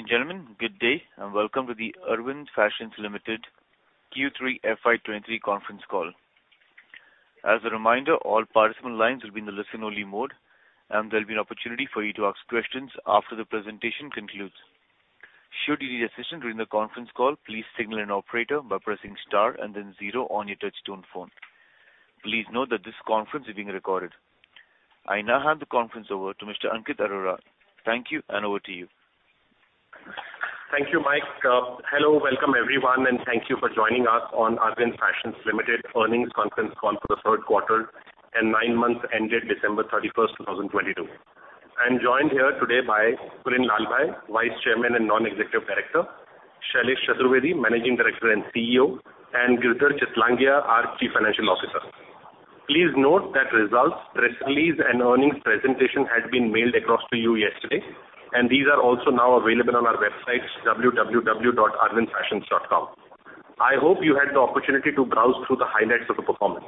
Ladies and gentlemen, good day, and welcome to the Arvind Fashions Limited Q3 FY23 Conference Call. As a reminder, all participant lines will be in the listen-only mode, and there'll be an opportunity for you to ask questions after the presentation concludes. Should you need assistance during the conference call, please signal an operator by pressing star and then zero on your touchtone phone. Please note that this conference is being recorded. I now hand the conference over to Mr. Ankit Arora. Thank you, and over to you. Thank you, Mike. Hello, welcome everyone, and thank you for joining us on Arvind Fashions Limited earnings conference call for the third quarter and nine months ended December 31, 2022. I'm joined here today by Kulin Lalbhai, Vice Chairman and Non-Executive Director, Shailesh Chaturvedi, Managing Director and CEO, and Girdhar Chitlangia, our Chief Financial Officer. Please note that results, press release and earnings presentation has been mailed across to you yesterday, and these are also now available on our website, www.arvindfashions.com. I hope you had the opportunity to browse through the highlights of the performance.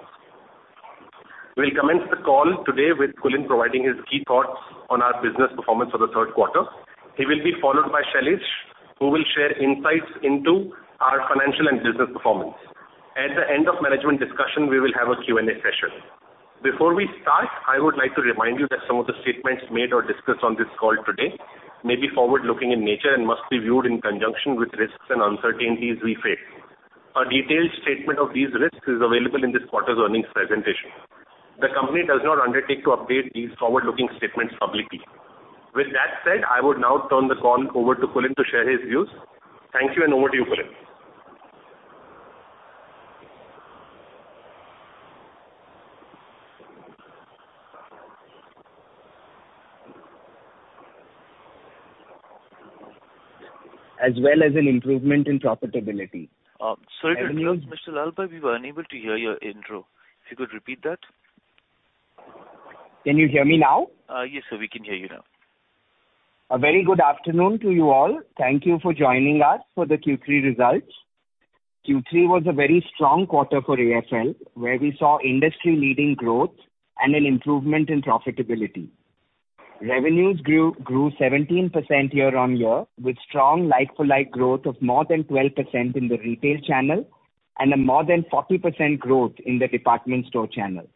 We'll commence the call today with Kulin providing his key thoughts on our business performance for the third quarter. He will be followed by Shailesh, who will share insights into our financial and business performance. At the end of management discussion, we will have a Q&A session. Before we start, I would like to remind you that some of the statements made or discussed on this call today may be forward-looking in nature and must be viewed in conjunction with risks and uncertainties we face. A detailed statement of these risks is available in this quarter's earnings presentation. The company does not undertake to update these forward-looking statements publicly. With that said, I would now turn the call over to Kulin to share his views. Thank you, and over to you, Kulin. As well as an improvement in profitability. Sorry to interrupt, Mr. Lalbhai. We were unable to hear your intro. If you could repeat that. Can you hear me now? Yes, sir. We can hear you now. A very good afternoon to you all. Thank you for joining us for the Q3 results. Q3 was a very strong quarter for AFL, where we saw industry-leading growth and an improvement in profitability. Revenues grew 17% year-on-year, with strong like-for-like growth of more than 12% in the retail channel and a more than 40% growth in the department store channel.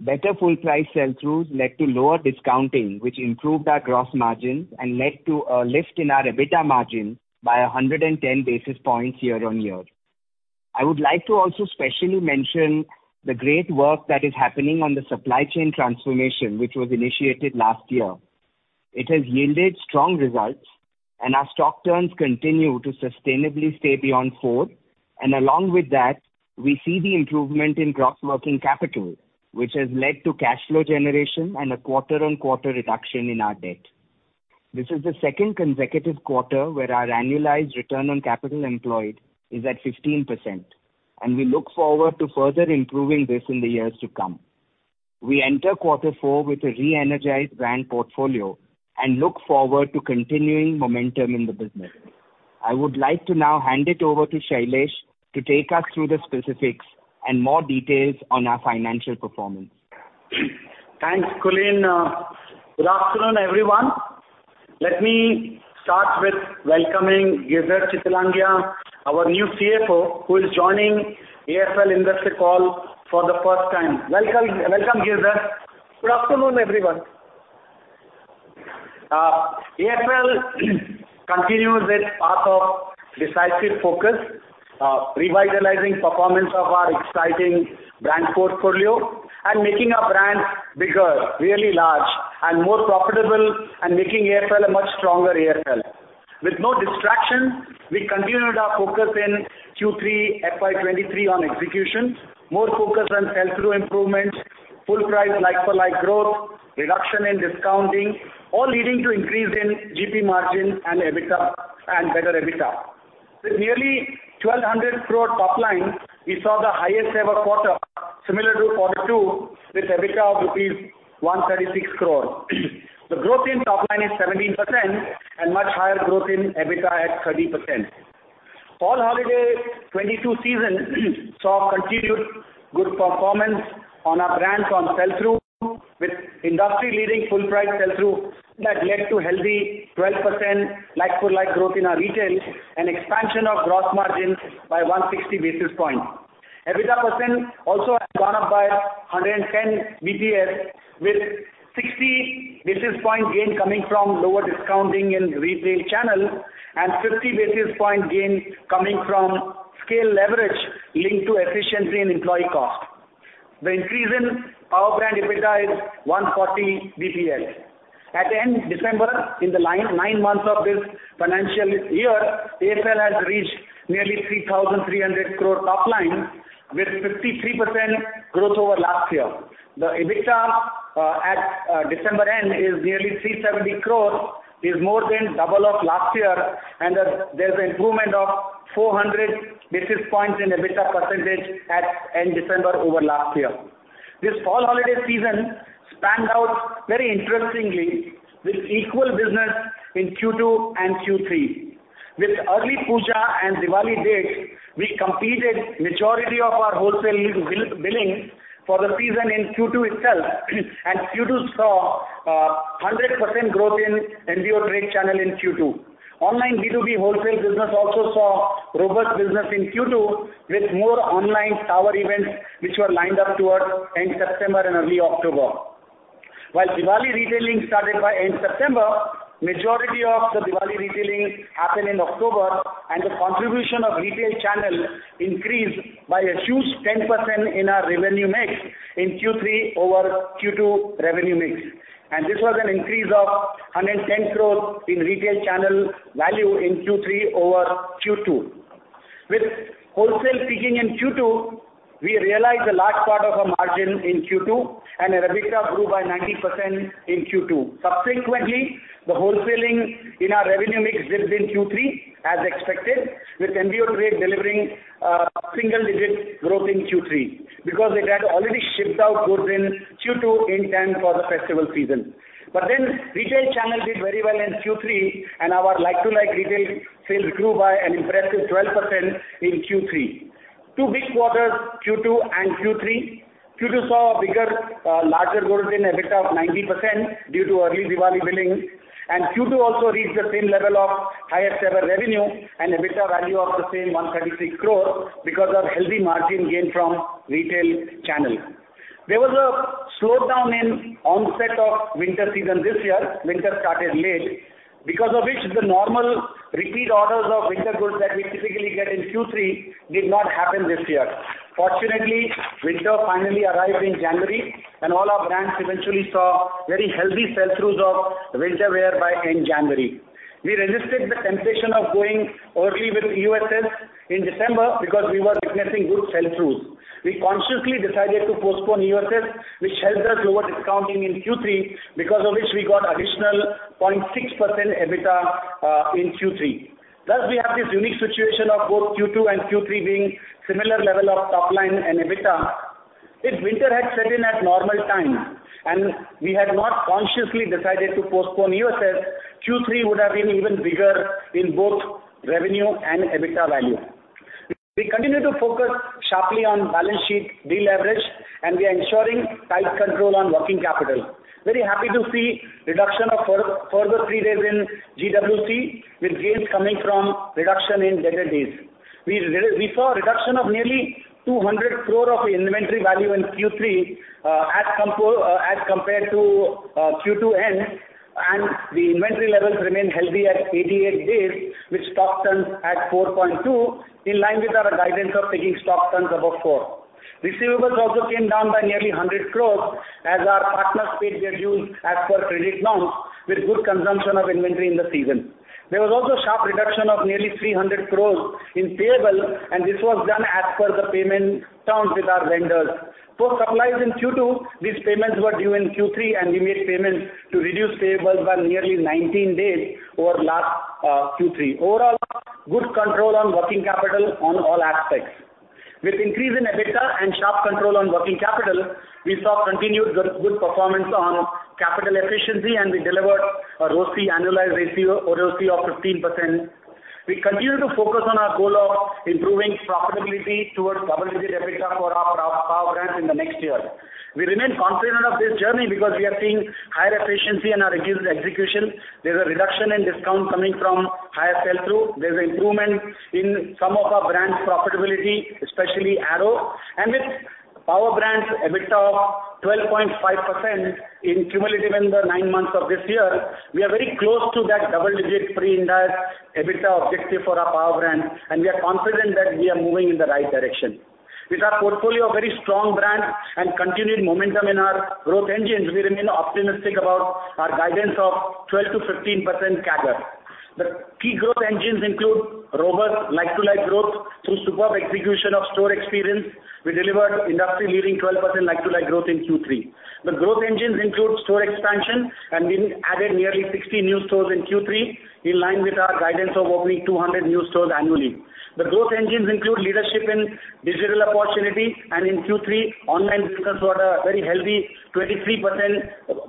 Better full price sell-throughs led to lower discounting, which improved our gross margin and led to a lift in our EBITDA margin by 110 basis points year-on-year. I would like to also specially mention the great work that is happening on the supply chain transformation, which was initiated last year. It has yielded strong results, and our stock turns continue to sustainably stay beyond four. Along with that, we see the improvement in gross working capital, which has led to cash flow generation and a quarter-on-quarter reduction in our debt. This is the second consecutive quarter where our annualized return on capital employed is at 15%, and we look forward to further improving this in the years to come. We enter quarter four with a re-energized brand portfolio and look forward to continuing momentum in the business. I would like to now hand it over to Shailesh to take us through the specifics and more details on our financial performance. Thanks, Kulin. Good afternoon, everyone. Let me start with welcoming Girdhar Chitlangia, our new CFO, who is joining AFL industry call for the first time. Welcome, Girdhar. Good afternoon, everyone. AFL continues its path of decisive focus, revitalizing performance of our exciting brand portfolio and making our brand bigger, really large and more profitable and making AFL a much stronger AFL. With no distraction, we continued our focus in Q3 FY23 on execution, more focus on sell-through improvements, full price like-for-like growth, reduction in discounting, all leading to increase in GP margin and EBITDA, and better EBITDA. With nearly 1,200 crore top line, we saw the highest ever quarter similar to quarter two with EBITDA of rupees 136 crore. The growth in top line is 17% and much higher growth in EBITDA at 30%. Fall holiday 2022 season saw continued good performance on our brands on sell-through with industry leading full price sell-through that led to healthy 12% like-for-like growth in our retail and expansion of gross margins by 160 basis points. EBITDA percent also has gone up by 110 BPS, with 60 basis point gain coming from lower discounting in retail channel and 50 basis point gain coming from scale leverage linked to efficiency in employee cost. The increase in our brand EBITDA is 140 BPS. At end December, in the nine months of this financial year, AFL has reached nearly 3,300 crore top line with 53% growth over last year. The EBITDA at December-end is nearly 370 crores, is more than double of last year. There's improvement of 400 basis points in EBITDA percentage at December-end over last year. This fall holiday season spanned out very interestingly with equal business in Q2 and Q3. With early Puja and Diwali dates, we completed majority of our wholesale billing for the season in Q2 itself. Q2 saw 100% growth in MBO trade channel in Q2. Online B2B wholesale business also saw robust business in Q2 with more online power events which were lined up towards September-end and early October. While Diwali retailing started by September-end, majority of the Diwali retailing happened in October. The contribution of retail channel increased by a huge 10% in our revenue mix in Q3 over Q2 revenue mix. This was an increase of 110 crores in retail channel value in Q3 over Q2. With wholesale peaking in Q2, we realized the large part of our margin in Q2 and our EBITDA grew by 90% in Q2. The wholesaling in our revenue mix dipped in Q3 as expected, with MBO trade delivering single-digit growth in Q3 because they had already shipped out goods in Q2 in time for the festival season. Retail channel did very well in Q3 and our like-for-like retail sales grew by an impressive 12% in Q3. Two big quarters, Q2 and Q3. Q2 saw a bigger, larger growth in EBITDA of 90% due to early Diwali billing, and Q2 also reached the same level of highest ever revenue and EBITDA value of the same 136 crore because of healthy margin gain from retail channel. There was a slowdown in onset of winter season this year. Winter started late, because of which the normal repeat orders of winter goods that we typically get in Q3 did not happen this year. Fortunately, winter finally arrived in January and all our brands eventually saw very healthy sell-throughs of winter wear by end January. We resisted the temptation of going early with EOSS in December because we were witnessing good sell-throughs. We consciously decided to postpone EOSS, which helped us lower discounting in Q3 because of which we got additional 0.6% EBITDA in Q3. We have this unique situation of both Q2 and Q3 being similar level of top line and EBITDA. If winter had set in at normal time and we had not consciously decided to postpone EOSS, Q3 would have been even bigger in both revenue and EBITDA value. We continue to focus sharply on balance sheet deleverage, and we are ensuring tight control on working capital. Very happy to see reduction of further 3 days in GWC, with gains coming from reduction in debtor days. We saw a reduction of nearly 200 crore of inventory value in Q3, as compared to Q2 end, and the inventory levels remain healthy at 88 days, with stock turns at 4.2, in line with our guidance of taking stock turns above 4. Receivables also came down by nearly 100 crores as our partners paid their dues as per credit norms with good consumption of inventory in the season. There was also sharp reduction of nearly 300 crores in payables. This was done as per the payment terms with our vendors. Post supplies in Q2, these payments were due in Q3. We made payments to reduce payables by nearly 19 days over last Q3. Overall, good control on working capital on all aspects. With increase in EBITDA and sharp control on working capital, we saw continued good performance on capital efficiency. We delivered a ROCE annualized ratio, or ROCE, of 15%. We continue to focus on our goal of improving profitability towards double-digit EBITDA for power brands in the next year. We remain confident of this journey because we are seeing higher efficiency in our reduced execution. There's a reduction in discount coming from higher sell-through. There's improvement in some of our brands' profitability, especially Arrow. power brands ebitda of 12.5% in cumulative in the nine months of this year, we are very close to that double-digit pre-IndAS EBITDA objective for our power brands, and we are confident that we are moving in the right direction. With our portfolio of very strong brands and continued momentum in our growth engines, we remain optimistic about our guidance of 12%-15% CAGR. The key growth engines include robust like-for-like growth through superb execution of store experience. We delivered industry leading 12% like-for-like growth in Q3. The growth engines include store expansion, and we added nearly 60 new stores in Q3, in line with our guidance of opening 200 new stores annually. The growth engines include leadership in digital opportunity. In Q3, online business got a very healthy 23%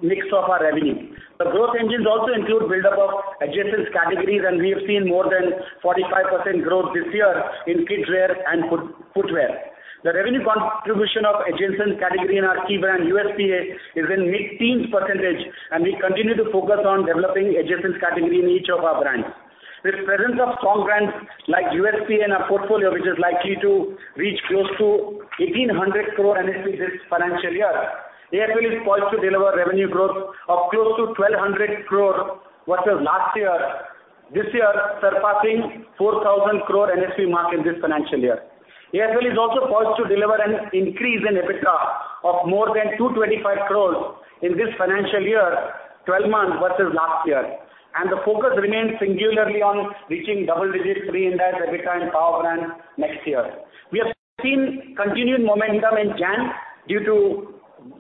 mix of our revenue. The growth engines also include buildup of adjacent categories. We have seen more than 45% growth this year in kids wear and footwear. The revenue contribution of adjacent category in our key brand USPA is in mid-teens percentage. We continue to focus on developing adjacent category in each of our brands. With presence of strong brands like USPA in our portfolio, which is likely to reach close to 1,800 crore NSV this financial year, AFL is poised to deliver revenue growth of close to 1,200 crore versus last year, this year surpassing 4,000 crore NSV mark in this financial year. AFL is also poised to deliver an increase in EBITDA of more than 225 crores in this financial year, 12 months versus last year. The focus remains singularly on reaching pre-IndAS ebitda in power brands next year. We have seen continued momentum in January due to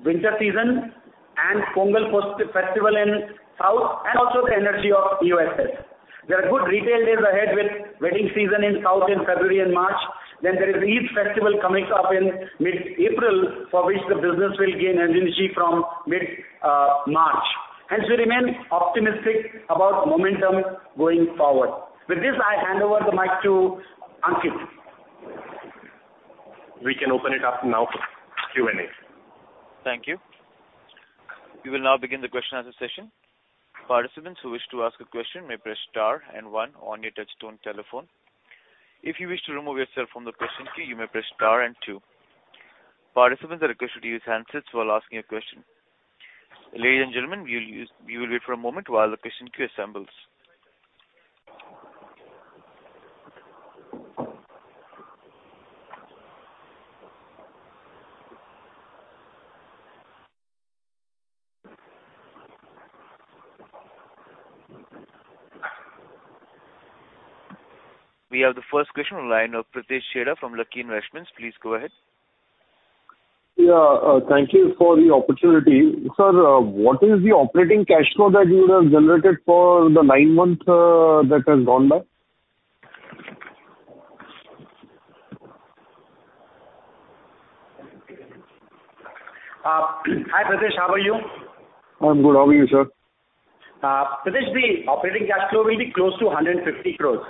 winter season and Pongal post festival in South, also the energy of USS. There are good retail days ahead with wedding season in South in February and March. There is Eid festival coming up in mid-April, for which the business will gain energy from mid-March. Hence we remain optimistic about momentum going forward. With this, I hand over the mic to Ankit. We can open it up now for Q&A. Thank you. We will now begin the question answer session. Participants who wish to ask a question may press star 1 on your touchtone telephone. If you wish to remove yourself from the question queue, you may press star 2. Participants are requested to use handsets while asking a question. Ladies and gentlemen, we will wait for a moment while the question queue assembles. We have the first question on line of Pritesh Chheda from Lucky Investments. Please go ahead. Thank you for the opportunity. Sir, what is the operating cash flow that you would have generated for the nine months that has gone by? Hi, Pritesh. How are you? I'm good. How are you, sir? Pritesh, the operating cash flow will be close to 150 crores.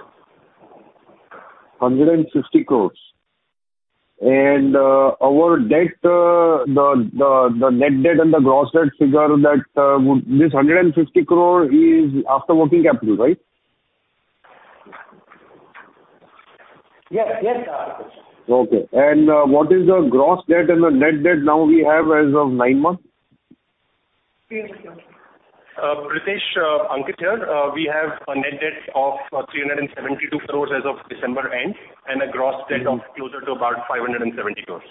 150 crores. Our debt, the net debt and the gross debt figure. This 150 crore is after working capital, right? Yes. Yes. Okay. What is the gross debt and the net debt now we have as of nine months? Pritesh, Ankit here. We have a net debt of 372 crores as of December end, and a gross debt of closer to about 570 crores.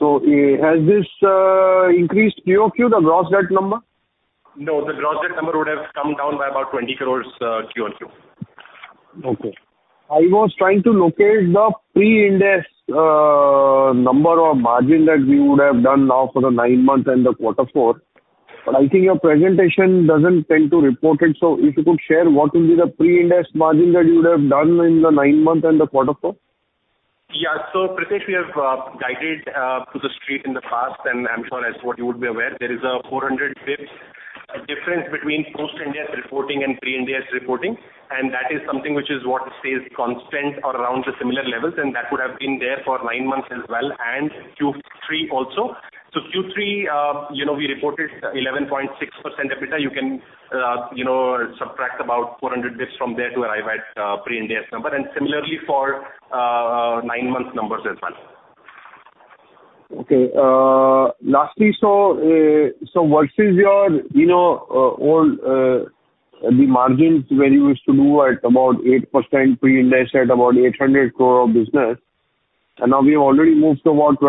Has this, increased QoQ, the gross debt number? The gross debt number would have come down by about 20 crores, QoQ. Okay. I was trying to locate the pre-IndAS number or margin that you would have done now for the nine months and the quarter four, but I think your presentation doesn't tend to report it. If you could share what will be pre-IndAS margin that you would have done in the nine months and the quarter four. Pritesh, we have guided to the street in the past, and I'm sure as to what you would be aware, there is a 400 basis points difference between post-IndAS reporting pre-IndAS reporting, and that is something which is what stays constant or around the similar levels, and that would have been there for nine months as well and Q3 also. Q3, you know, we reported 11.6% EBITDA. You can, you know, subtract about 400 basis point from there to arrive at pre-IndAS number and similarly for nine months numbers as well. Lastly, versus your, you know, old, the margins where you used to do at about 8% pre-IndAS at about 800 crore of business, and now we have already moved to about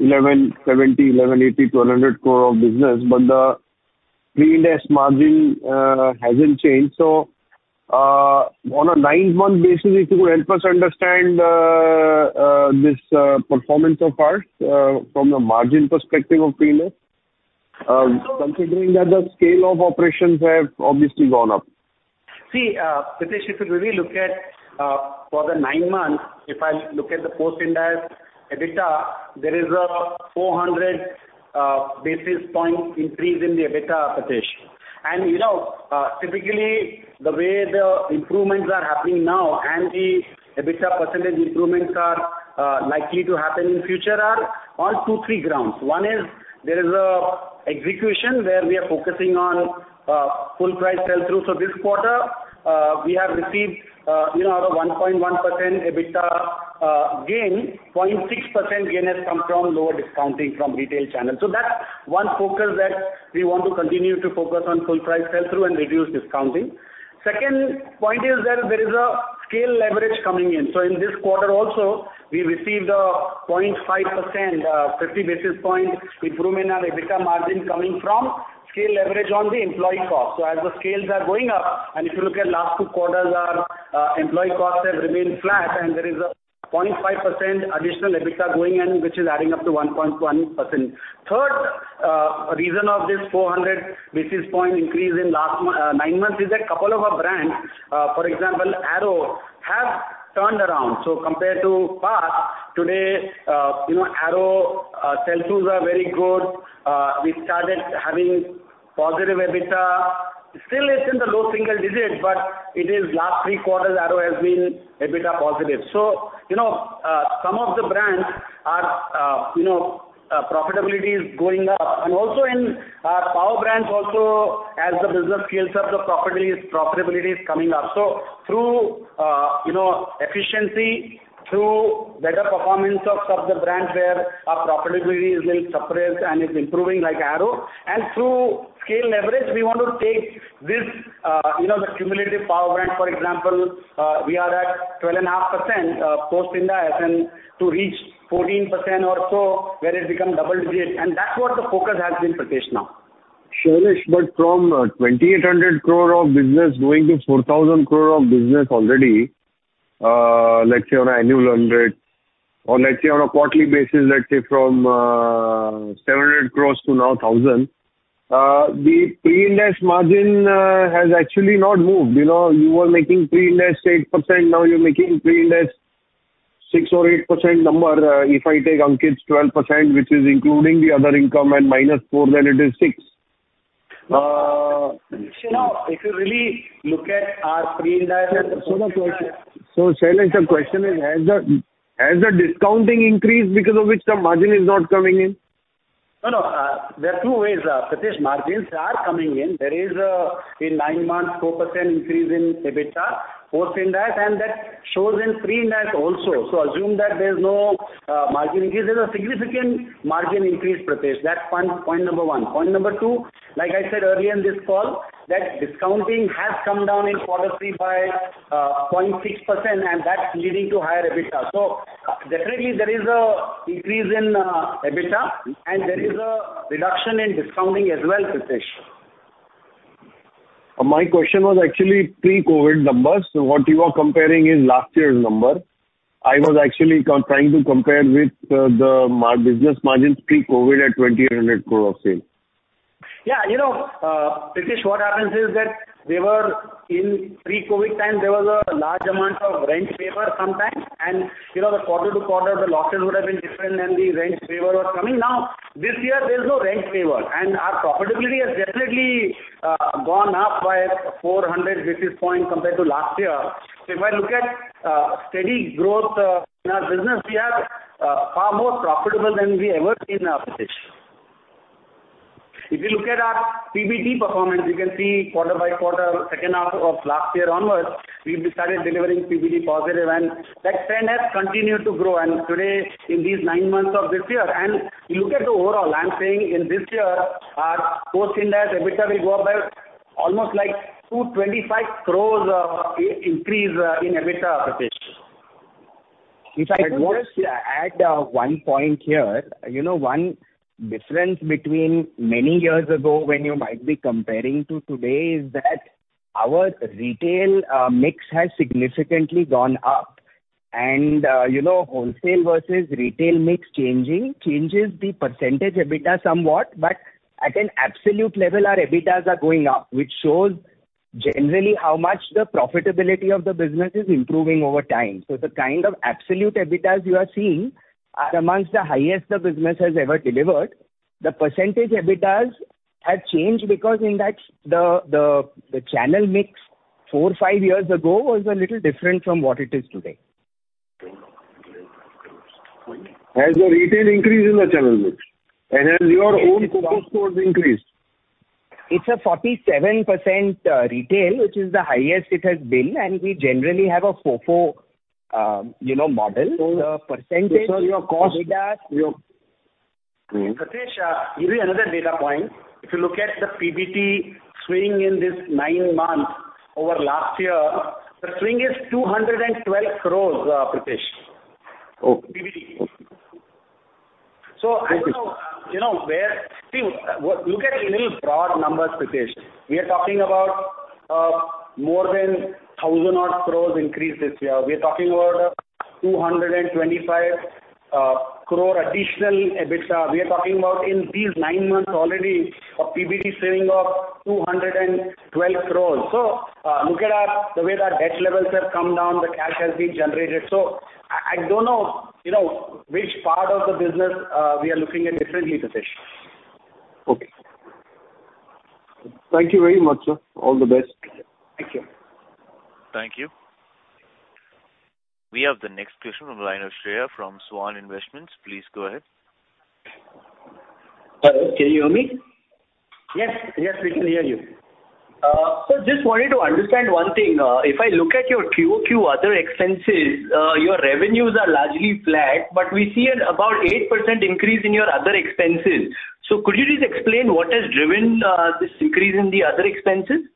1,200 crore, 1,170 crore, 1,180 crore, 1,200 crore of business, but the pre-IndAS margin hasn't changed. On a nine-month basis, if you could help us understand this performance of ours from the margin perspective of pre-IndAS, considering that the scale of operations have obviously gone up. Pritesh, if you really look at for the nine months, if I look at the post-IndAS EBITDA, there is a 400 basis point increase in the EBITDA, Pritesh. You know, typically the way the improvements are happening now and the EBITDA percent improvements are likely to happen in future are on two, three grounds. One is there is a execution where we are focusing on full price sell-through. This quarter, we have received, you know, out of 1.1% EBITDA gain, 0.6% gain has come from lower discounting from retail channel. That's one focus that we want to continue to focus on full price sell-through and reduce discounting. Second point is that there is a scale leverage coming in. In this quarter also we received a 0.5%, 50 basis point improvement on EBITDA margin coming from scale leverage on the employee cost. As the scales are going up and if you look at last two quarters, our employee costs have remained flat and there is a 0.5% additional EBITDA going in which is adding up to 1.1%. Third, reason of this 400 basis point increase in last nine months is a couple of our brands, for example, Arrow have turned around. Compared to past, today, you know, Arrow sell-throughs are very good. We started having positive EBITDA. Still it's in the low single digits, but it is last three quarters Arrow has been EBITDA positive. You know, some of the brands are, you know, profitability is going up. Also in power brands also, as the business scales up, profitability is coming up. Through, you know, efficiency, through better performance of the brands where our profitability is little suppressed and is improving like Arrow, and through scale leverage, we want to take this, you know, the cumulative power brands, for example, we are at 12.5% post-IndAS, and to reach 14% or so where it become double-digit, That's what the focus has been, Pritesh, now. From 2,800 crore of business going to 4,000 crore of business already, let's say on an annual [100] or let's say on a quarterly basis, let's say from 700 crores to now 1,000, the pre-IndAS margin has actually not moved. You know, you were making pre-IndAS 8%, now you're making pre-IndAS 6% or 8% number. If I take Ankit's 12%, which is including the other income and -4%, then it is 6%. Now if you look at our pre-IndAS Shailesh, the question is, has the discounting increased because of which the margin is not coming in? No, no. There are two ways, Pritesh. Margins are coming in. There is a, in nine months, 4% increase in EBITDA post-IndAS, and that shows pre-IndAS also. Assume that there's no margin increase. There's a significant margin increase, Pritesh. That's point number one. Point number two, like I said earlier in this call, that discounting has come down in quarter three by 0.6%, and that's leading to higher EBITDA. Definitely there is a increase in EBITDA, and there is a reduction in discounting as well, Pritesh. My question was actually pre-COVID numbers. What you are comparing is last year's number. I was actually trying to compare with the business margins pre-COVID at 2,800 crore of sales. Yeah. You know, Pritesh, what happens is that In pre-COVID time, there was a large amount of rent waiver sometimes, you know, the quarter-to-quarter, the lockdowns would have been different, the rent waiver was coming. This year there's no rent waiver, our profitability has definitely gone up by 400 basis points compared to last year. If I look at steady growth in our business, we are far more profitable than we ever been, Pritesh. If you look at our PBT performance, you can see quarter by quarter, second half of last year onwards, we've started delivering PBT positive that trend has continued to grow. Today, in these nine months of this year, and you look at the overall, I'm saying in this year, post-IndAS ebitda will go up by almost like 225 crores of increase in EBITDA, Pritesh. If I could just add, one point here. You know, one difference between many years ago when you might be comparing to today is that our retail, mix has significantly gone up. You know, wholesale versus retail mix changing changes the percentage EBITDA somewhat, but at an absolute level, our EBITDA's are going up, which shows generally how much the profitability of the business is improving over time. The kind of absolute EBITDA's you are seeing are amongst the highest the business has ever delivered. The percentage EBITDA's have changed because in that the channel mix four, five years ago was a little different from what it is today. Has the retail increased in the channel mix? Has your own COCO stores increased? It's a 47% retail, which is the highest it has been, and we generally have a FOFO, you know, model. The percentage EBITDA. Pritesh, give you another data point. If you look at the PBT swing in this nine months over last year, the swing is 212 crores, Pritesh. Okay. PBT. Okay. I don't know, you know, where. See, look at little broad numbers, Pritesh. We are talking about more than 1,000-odd crores increase this year. We are talking about 225 crore additional EBITDA. We are talking about in these nine months already a PBT swing of 212 crores. Look at our, the way our debt levels have come down, the cash has been generated. I don't know, you know, which part of the business we are looking at differently, Pritesh. Okay. Thank you very much, sir. All the best. Thank you. Thank you. We have the next question on the line of Shreyansh from Swan Investments. Please go ahead. Hello, can you hear me? Yes. Yes, we can hear you. Just wanted to understand one thing. If I look at your QoQ other expenses, your revenues are largely flat, but we see an about 8% increase in your other expenses. Could you just explain what has driven this increase in the other expenses?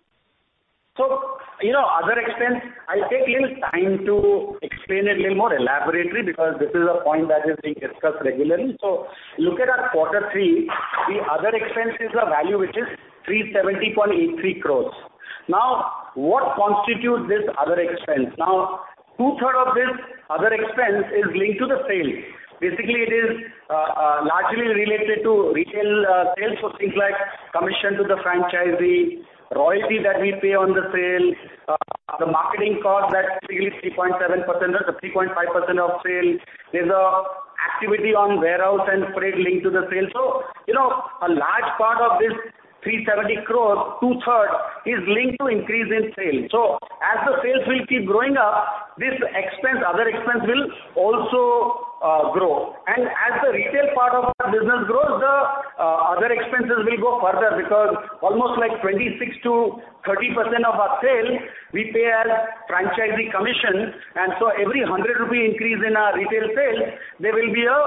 you know, other expense, I'll take little time to explain a little more elaborately because this is a point that is being discussed regularly. Look at our quarter three, the other expense is a value which is 370.83 crores. What constitutes this other expense? 2/3 of this other expense is linked to the sale. Basically, it is largely related to retail sales for things like commission to the franchisee, royalty that we pay on the sale, the marketing cost that is really 3.7% or 3.5% of sale. There's a activity on warehouse and freight linked to the sale. you know, a large part of this 370 crores, 2/3 is linked to increase in sale. As the sales will keep growing up, this expense, other expense, will also grow. As the retail part of our business grows, the other expenses will go further because almost like 26%-30% of our sale we pay as franchisee commission. Every 100 [crore rupee] increase in our retail sale, there will be a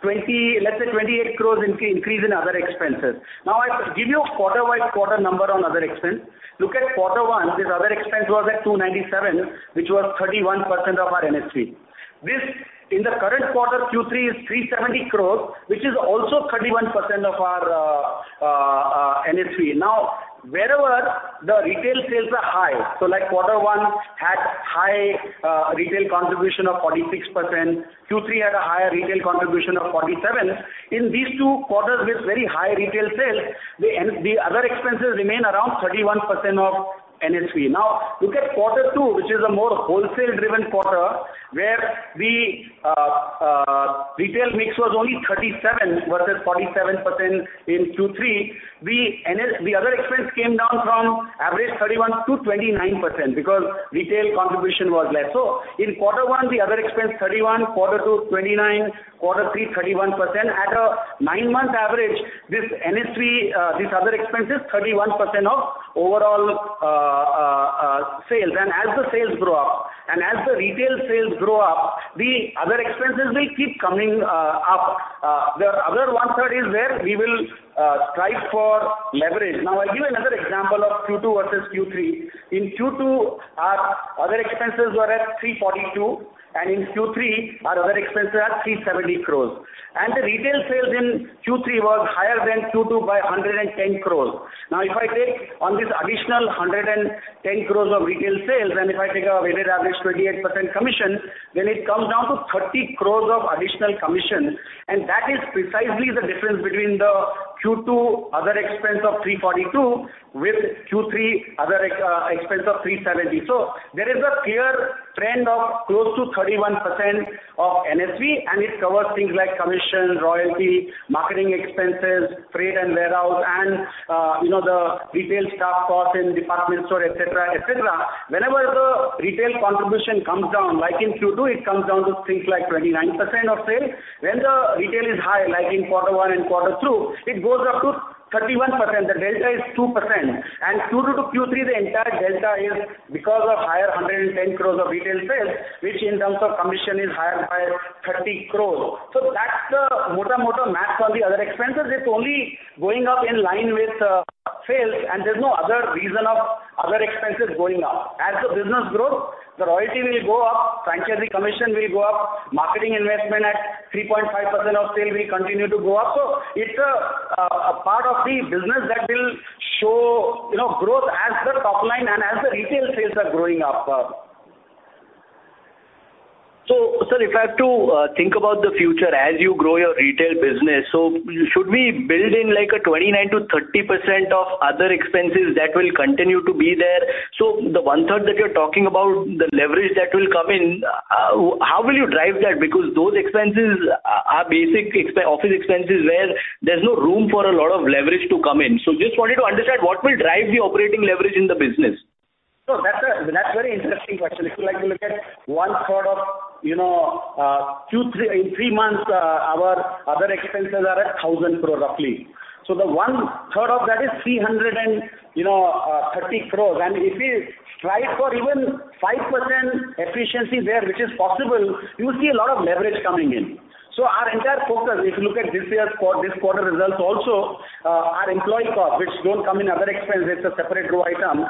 28 crores increase in other expenses. I give you a quarter by quarter number on other expense. Look at quarter one, this other expense was at 297, which was 31% of our NSP. This, in the current quarter, Q3, is 370 crores, which is also 31% of our NSV. Wherever the retail sales are high, so like quarter one had high retail contribution of 46%, Q3 had a higher retail contribution of 47%. In these two quarters with very high retail sales, the other expenses remain around 31% of NSV. Look at quarter two, which is a more wholesale-driven quarter, where the retail mix was only 37% versus 47% in Q3. The other expense came down from average 31% to 29% because retail contribution was less. In quarter one, the other expense 31%, quarter two 29%, quarter three 31%. At a nine-month average, this NSV, this other expense is 31% of overall sales. As the sales grow up, as the retail sales grow up, the other expenses will keep coming up. The other 1/3 is where we will strive for leverage. I'll give another example of Q2 versus Q3. In Q2, our other expenses were at 342 crores, in Q3, our other expenses are 370 crores. The retail sales in Q3 was higher than Q2 by 110 crores. If I take on this additional 110 crores of retail sales, if I take a weighted average 28% commission, it comes down to 30 crores of additional commission, that is precisely the difference between the Q2 other expense of 342 crores with Q3 other expense of 370 crores. There is a clear trend of close to 31% of NSV, it covers things like commission, royalty, marketing expenses, freight and warehouse, you know, the retail staff cost in department store, et cetera, et cetera. Whenever the retail contribution comes down, like in Q2, it comes down to things like 29% of sales. When the retail is high, like in quarter one and quarter two, it goes up to 31%. The delta is 2%. Q2 to Q3, the entire delta is because of higher 110 crores of retail sales, which in terms of commission is higher by 30 crores. That's the [more than more than] math on the other expenses. It's only going up in line with sales, and there's no other reason of other expenses going up. As the business grows, the royalty will go up, franchisee commission will go up, marketing investment at 3.5% of sale will continue to go up. it's a part of the business that will show, you know, growth as the top line and as the retail sales are growing up. Sir, if I have to think about the future as you grow your retail business, should we build in like a 29%-30% of other expenses that will continue to be there? The 1/3 that you're talking about, the leverage that will come in, how will you drive that? Because those expenses are basic office expenses where there's no room for a lot of leverage to come in. Just wanted to understand what will drive the operating leverage in the business. That's a very interesting question. If you like to look at 1/3 of, you know, Q3 in three months, our other expenses are at 1,000 crore roughly. The 1/3 of that is, you know, 330 crore. If we strive for even 5% efficiency there, which is possible, you will see a lot of leverage coming in. Our entire focus, if you look at this year's this quarter results also, our employee cost, which don't come in other expense, it's a separate row item,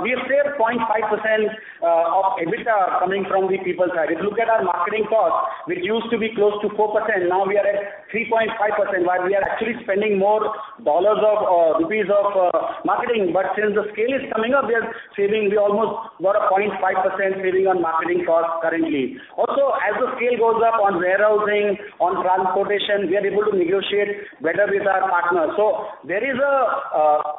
we have saved 0.5% of EBITDA coming from the people side. If you look at our marketing cost, which used to be close to 4%, now we are at 3.5%, while we are actually spending more dollars or rupees of marketing. Since the scale is coming up, we are saving. We almost got a 0.5% saving on marketing cost currently. Also, as the scale goes up on warehousing, on transportation, we are able to negotiate better with our partners. There is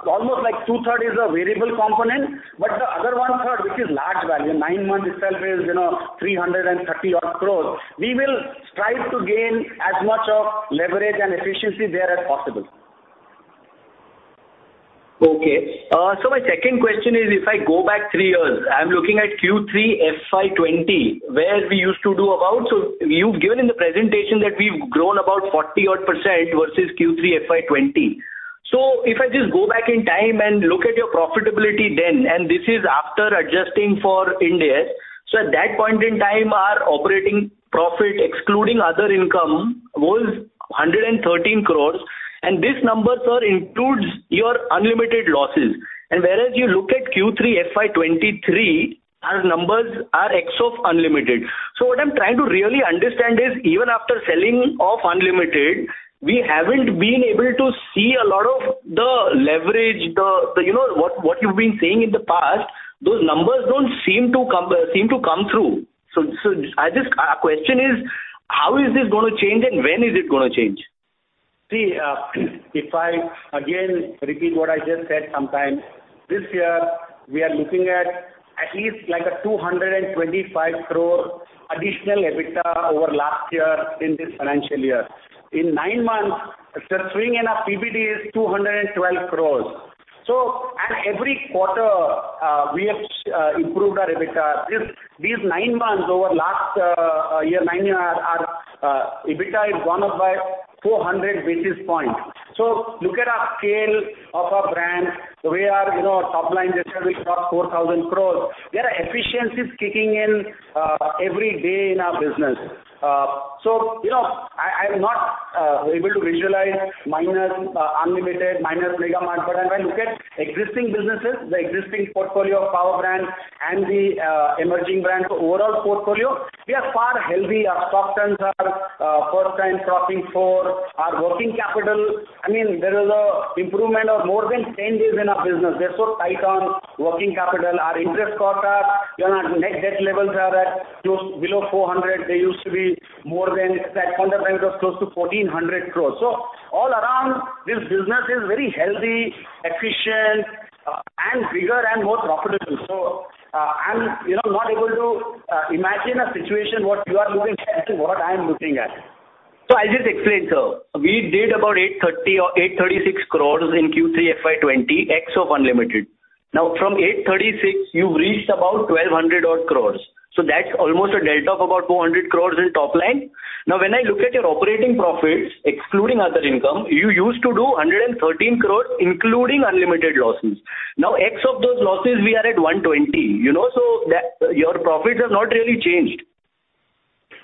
almost like 2/3 is a variable component, but the other 1/3, which is large value, nine months itself is, you know, 330-odd crores. We will strive to gain as much of leverage and efficiency there as possible. Okay. My second question is, if I go back three years, I'm looking at Q3 FY 2020, where we used to do about... You've given in the presentation that we've grown about 40-odd % versus Q3 FY 2020. If I just go back in time and look at your profitability then, and this is after adjusting for Ind AS. At that point in time, our operating profit, excluding other income, was 113 crores. This number, sir, includes your Unlimited losses. Whereas you look at Q3 FY 2023, our numbers are ex of Unlimited. What I'm trying to really understand is, even after selling off Unlimited, we haven't been able to see a lot of the leverage. You know, what you've been saying in the past, those numbers don't seem to come, seem to come through. Question is, how is this gonna change, and when is it gonna change? If I again repeat what I just said sometime, this year we are looking at at least like 225 crore additional EBITDA over last year in this financial year. In nine months, the swing in our PBT is 212 crore. Every quarter, we have improved our EBITDA. These 9 months over last year, our EBITDA has gone up by 400 basis points. Look at our scale of our brand. We are, you know, top line just now is about 4,000 crore. There are efficiencies kicking in every day in our business. You know, I'm not able to visualize minus Unlimited, minus Megamart. If I look at existing businesses, the existing portfolio of power brands and the emerging brands, overall portfolio, we are far healthy. Our stock turns are first time crossing four. Our working capital, I mean, there is a improvement of more than 10 days in our business. We're so tight on working capital. Our interest costs. You know, net debt levels are at close below 400. They used to be more than close to 1,400 crores. All around this business is very healthy, efficient, and bigger and more profitable. I'm, you know, not able to imagine a situation what you are looking at to what I'm looking at. I'll just explain, sir. We did about 830 crores or 836 crores in Q3 FY 2020 ex of Unlimited. From 836 crores, you've reached about 1,200-odd crores. That's almost a delta of about 400 crores in top line. When I look at your operating profits, excluding other income, you used to do 113 crores, including Unlimited losses. Now ex of those losses, we are at 120, you know, so that, your profits have not really changed.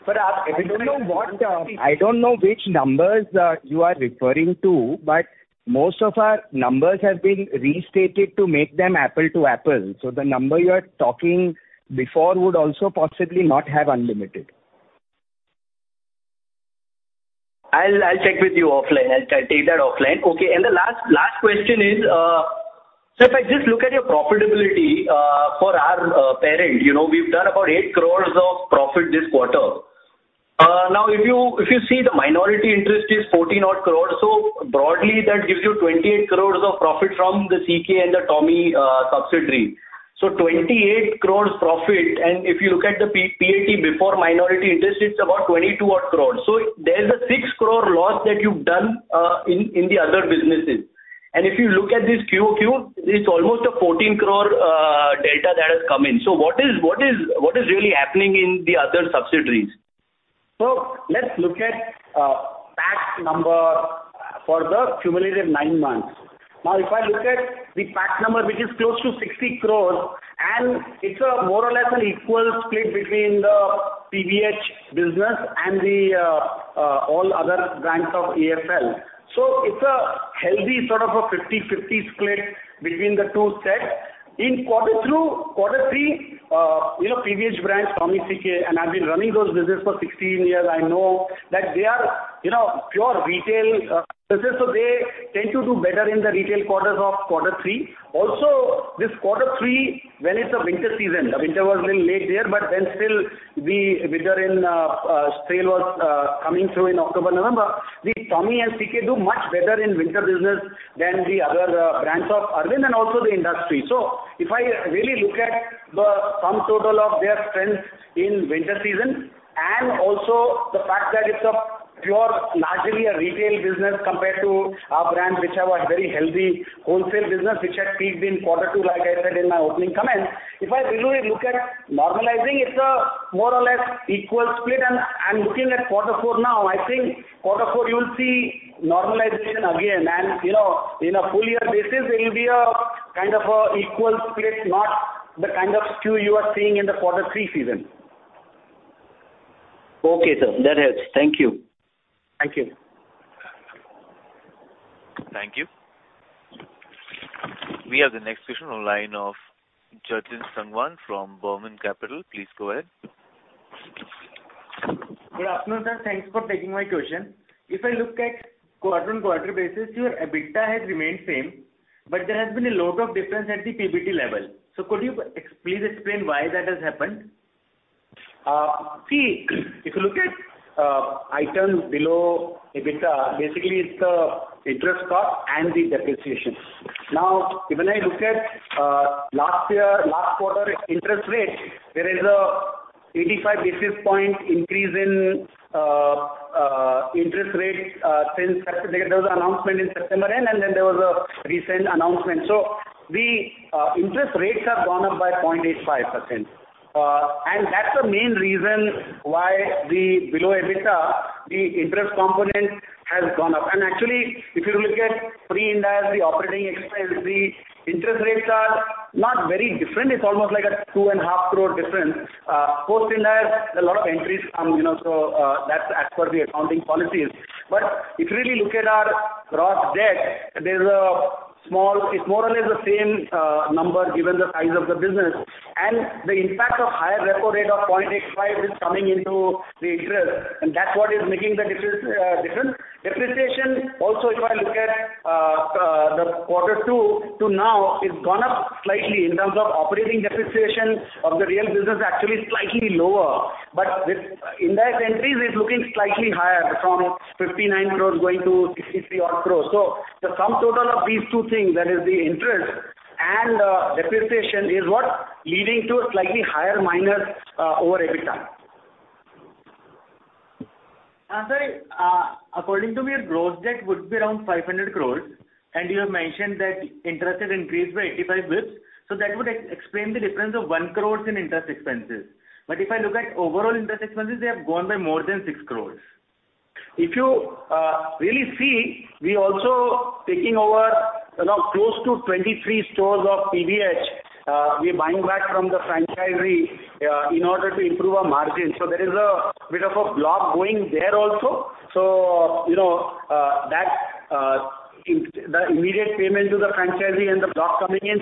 I don't know what, I don't know which numbers are you are referring to, but most of our numbers have been restated to make them apple to apple. The number you are talking before would also possibly not have Unlimited. I'll check with you offline. I'll take that offline. Okay. The last question is, if I just look at your profitability, for our parent, you know, we've done about 8 crores of profit this quarter. If you see the minority interest is 14-odd crores. Broadly, that gives you 28 crores of profit from the CK and the Tommy subsidiary. 28 crores profit. If you look at the PAT before minority interest, it's about 22-odd crores. There's a 6 crore loss that you've done in the other businesses. If you look at this QoQ, it's almost a 14 crore delta that has come in. What is really happening in the other subsidiaries? Let's look at PAT number for the cumulative nine months. If I look at the PAT number, which is close to 60 crores, and it's a more or less an equal split between the PVH business and the all other brands of AFL. It's a healthy sort of a 50-50 split between the two sets. In quarter two, quarter three, you know, PVH brands, Tommy, CK, and I've been running those business for 16 years. I know that they are, you know, pure retail businesses, so they tend to do better in the retail quarters of quarter three This quarter three, when it's a winter season, the winter was little late there, still the winter in sale was coming through in October, November. The Tommy and CK do much better in winter business than the other brands of Arvind and also the industry. If I really look at the sum total of their strength in winter season and also the fact that it's a pure largely a retail business compared to our brands which have a very healthy wholesale business which had peaked in quarter two, like I said in my opening comments. If I really look at normalizing it, more or less equal split, and I'm looking at quarter four now. I think quarter four you'll see normalization again. You know, in a full year basis, it will be a kind of a equal split, not the kind of skew you are seeing in the quarter three season. Okay, sir. That helps. Thank you. Thank you. Thank you. We have the next question on line of Jatin Sangwan from Burman Capital. Please go ahead. Good afternoon, sir. Thanks for taking my question. If I look at quarter-on-quarter basis, your EBITDA has remained same, there has been a lot of difference at the PBT level. Could you please explain why that has happened? See, if you look at items below EBITDA, basically it's the interest cost and the depreciation. When I look at last year, last quarter interest rates, there is a 85 basis point increase in interest rates since there was an announcement in September end, and then there was a recent announcement. The interest rates have gone up by 0.85%. And that's the main reason why the below EBITDA, the interest component has gone up. Actually, if you look pre-IndAS operating expense, the interest rates are not very different. It's almost like a 2.5 crore difference. post-IndAS, there are a lot of entries come, you know, so that's as per the accounting policies. If you really look at our gross debt, there's a small... It's more or less the same number given the size of the business and the impact of higher repo rate of 0.85 is coming into the interest, and that's what is making the difference. Depreciation also, if I look at the quarter to now, it's gone up slightly in terms of operating depreciation of the real business actually slightly lower. With indebted entries, it's looking slightly higher from 59 crore going to 60-odd crore. The sum total of these two things, that is the interest and depreciation is what leading to a slightly higher minus over EBITDA. Sorry, according to me, your gross debt would be around 500 crores. You have mentioned that interest has increased by 85 basis point, that would explain the difference of 1 crore in interest expenses. If I look at overall interest expenses, they have gone by more than 6 crores. If you really see, we also taking over, you know, close to 23 stores of PVH, we're buying back from the franchisee in order to improve our margin. There is a bit of a block going there also. You know, that immediate payment to the franchisee and the block coming in.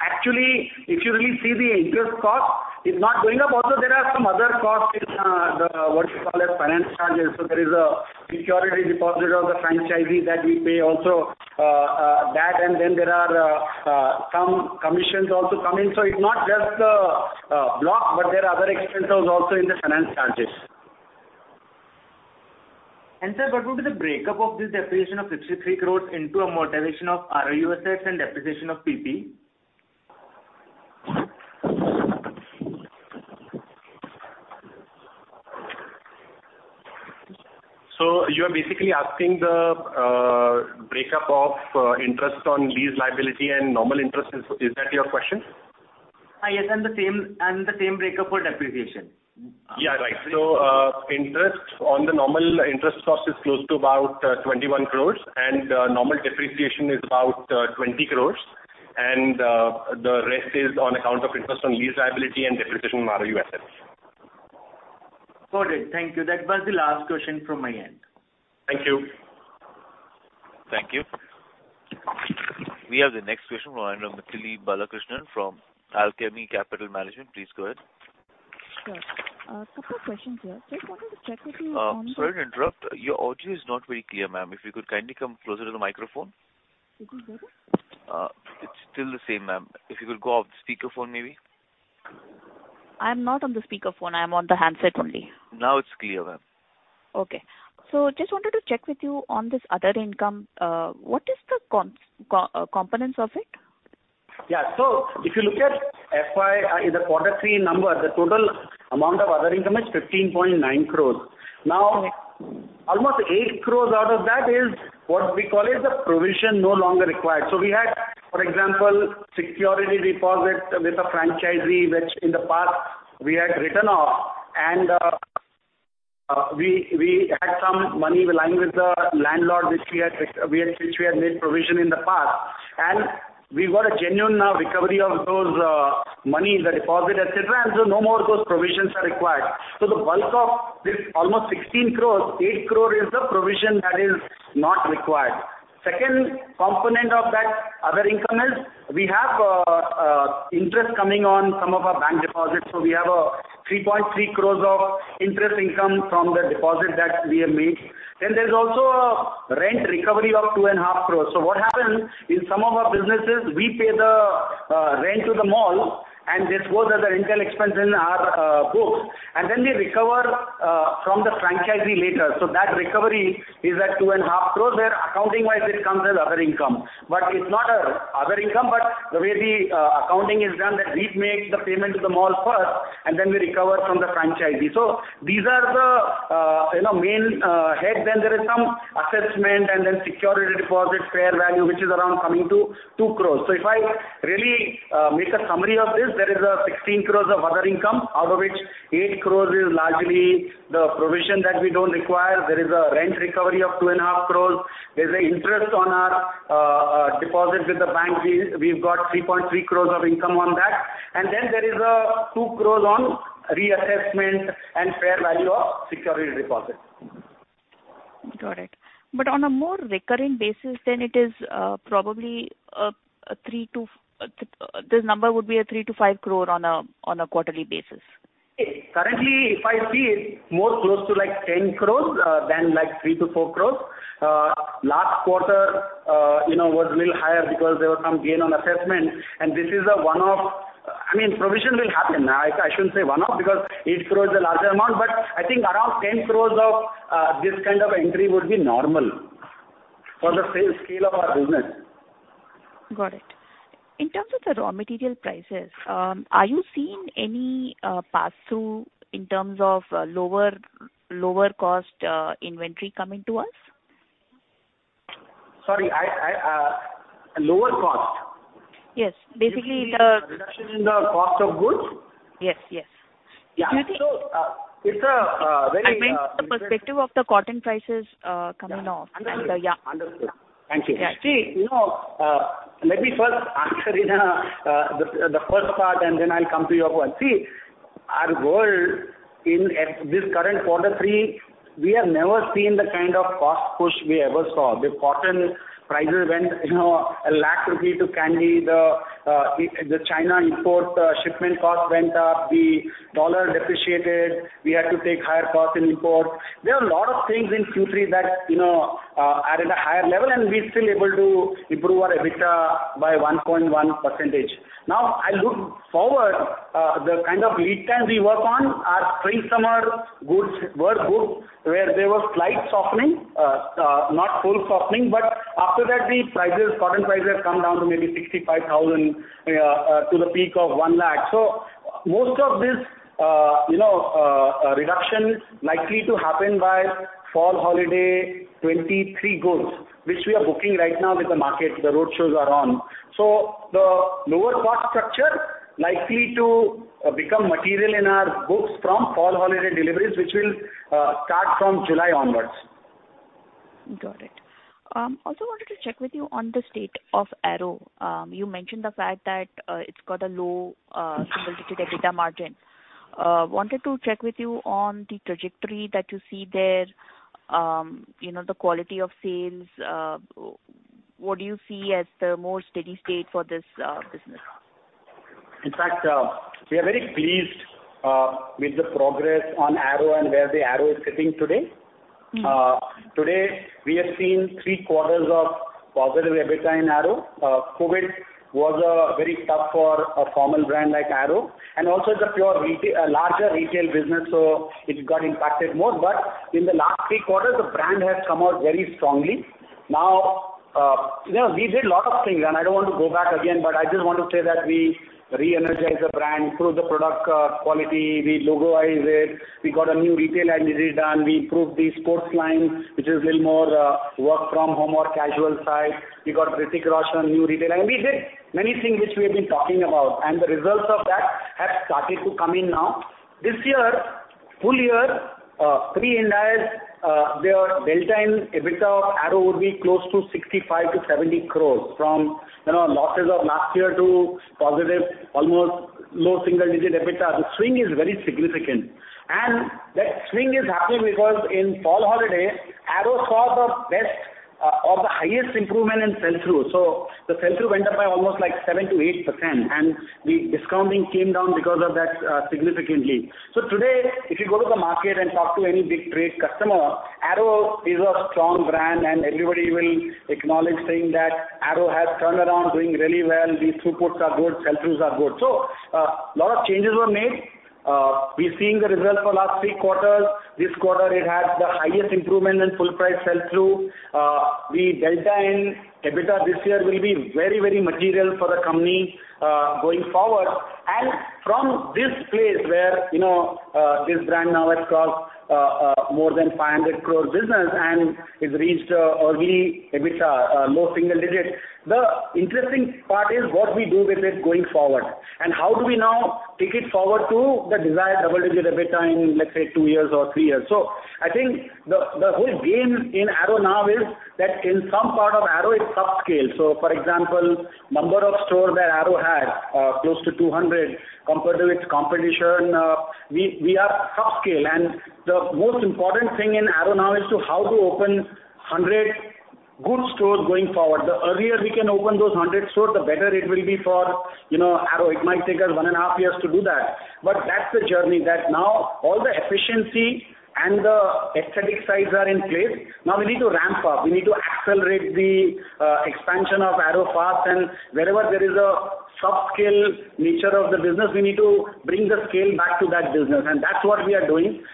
Actually, if you really see the interest cost, it's not going up. Also there are some other costs in the, what you call it, finance charges. There is a security deposit of the franchisee that we pay also, that and then there are some commissions also come in. It's not just the block, but there are other expenses also in the finance charges. Sir, what would be the breakup of this depreciation of 63 crores into amortization of ROU and depreciation of PP? You are basically asking the breakup of interest on lease liability and normal interest. Is that your question? yes, and the same breakup for depreciation. Right. Interest on the normal interest cost is close to about 21 crores and normal depreciation is about 20 crores. The rest is on account of interest on lease liability and depreciation ROU. Got it. Thank you. That was the last question from my end. Thank you. Thank you. We have the next question from Mythili Balakrishnan from Alchemy Capital Management. Please go ahead. Sure. A couple of questions here. Just wanted to check with you on. Sorry to interrupt. Your audio is not very clear, ma'am. If you could kindly come closer to the microphone. Is this better? It's still the same, ma'am. If you could go off the speaker phone, maybe. I'm not on the speaker phone. I'm on the handset only. Now it's clear, ma'am. Okay. Just wanted to check with you on this other income. What is the components of it? If you look at FY, the quarter three number, the total amount of other income is 15.9 crores. Almost 8 crores out of that is what we call is the provision no longer required. We had, for example, security deposit with a franchisee, which in the past we had written off. We had some money lying with the landlord which we had made provision in the past, and we got a genuine recovery of those money in the deposit, et cetera, no more those provisions are required. The bulk of this almost 16 crores, 8 crore is the provision that is not required. Second component of that other income is we have interest coming on some of our bank deposits. We have 3.3 crores of interest income from the deposit that we have made. There's also a rent recovery of 2.5 crores. What happens in some of our businesses, we pay the rent to the mall, and this goes as a rental expense in our books. We recover from the franchisee later. That recovery is at 2.5 crores, where accounting-wise it comes as other income. It's not other income, but the way the accounting is done, that we make the payment to the mall first and then we recover from the franchisee. These are the, you know, main heads. There is some assessment and then security deposit, fair value, which is around coming to 2 crores. If I really make a summary of this, there is 16 crores of other income, out of which 8 crores is largely the provision that we don't require. There is a rent recovery of 2.5 crores. There's an interest on our deposit with the bank. We've got 3.3 crores of income on that. Then there is 2 crores on reassessment and fair value of security deposit. Got it. On a more recurring basis then it is, probably, the number would be 3-5 crore on a quarterly basis. Currently, if I see it, more close to like 10 crores than like 3-4 crores. Last quarter, you know, was little higher because there was some gain on assessment, and this is a one-off. I mean, provision will happen. I shouldn't say one-off because 8 crores is a larger amount, but I think around 10 crores of this kind of entry would be normal for the scale of our business. Got it. In terms of the raw material prices, are you seeing any pass-through in terms of lower cost, inventory coming to us? Sorry, I, lower cost? Yes. Basically. You mean reduction in the cost of goods? Yes. Yes. Yeah. it's a very I meant the perspective of the cotton prices, coming off. Yeah. Understood. Yeah. Understood. Thank you. Yeah. See, you know, let me first answer in the first part. Then I'll come to your point. Our world in, at this current quarter three, we have never seen the kind of cost push we ever saw. The cotton prices went, you know, 1 lakh rupee per candy. The China import shipment cost went up. The dollar depreciated. We had to take higher cost in imports. There were a lot of things in Q3 that, you know, are at a higher level. We're still able to improve our EBITDA by 1.1%. I look forward, the kind of lead time we work on our spring summer goods were good, where there was slight softening, not full softening. After that the prices, cotton prices come down to maybe 65,000 to the peak of 1 lakh. Most of this, you know, reduction likely to happen by fall holiday 2023 goods, which we are booking right now with the market. The roadshows are on. The lower cost structure likely to become material in our books from fall holiday deliveries, which will start from July onwards. Got it. Also wanted to check with you on the state of Arrow. You mentioned the fact that it's got a low, single-digit EBITDA margin. Wanted to check with you on the trajectory that you see there, you know, the quality of sales. What do you see as the more steady state for this business? We are very pleased with the progress on Arrow and where the Arrow is sitting today. Mm. Today, we have seen three quarters of positive EBITDA in Arrow. COVID was very tough for a formal brand like Arrow and also a larger retail business, so it got impacted more. In the last three quarters, the brand has come out very strongly. You know, we did a lot of things, and I don't want to go back again, but I just want to say that we re-energized the brand, improved the product quality. We logoized it. We got a new retail identity done. We improved the sports line, which is a little more work from home or casual side. We got Hrithik Roshan, new retail, and we did many things which we have been talking about, and the results of that have started to come in now. This year, full year, pre-IndAS, their delta in EBITDA of Arrow would be close to 65 crore-70 crore from, you know, losses of last year to positive, almost low single-digit EBITDA. The swing is very significant. That swing is happening because in fall holiday, Arrow saw the best, or the highest improvement in sell-through. The sell-through went up by almost like 7%-8%, and the discounting came down because of that, significantly. Today, if you go to the market and talk to any big trade customer, Arrow is a strong brand, and everybody will acknowledge saying that Arrow has turned around, doing really well. The throughputs are good, sell-throughs are good. A lot of changes were made. We're seeing the results for last three quarters. This quarter it has the highest improvement in full price sell-through. The delta in EBITDA this year will be very, very material for the company going forward. From this place where, you know, this brand now has crossed more than 500 crore business and it reached a healthy EBITDA, low single digits. The interesting part is what we do with it going forward, and how do we now take it forward to the desired double-digit EBITDA in, let's say, two years or three years. I think the whole game in Arrow now is that in some part of Arrow it's subscale. For example, number of stores that Arrow has close to 200 compared to its competition, we are subscale. The most important thing in Arrow now is to how to open 100 good stores going forward. The earlier we can open those 100 stores, the better it will be for, you know, Arrow. It might take us one and a half years to do that, but that's the journey that now all the efficiency and the aesthetic sides are in place. Now we need to ramp up. We need to accelerate the expansion of Arrow fast and wherever there is a subscale nature of the business, we need to bring the scale back to that business. That's what we are doing.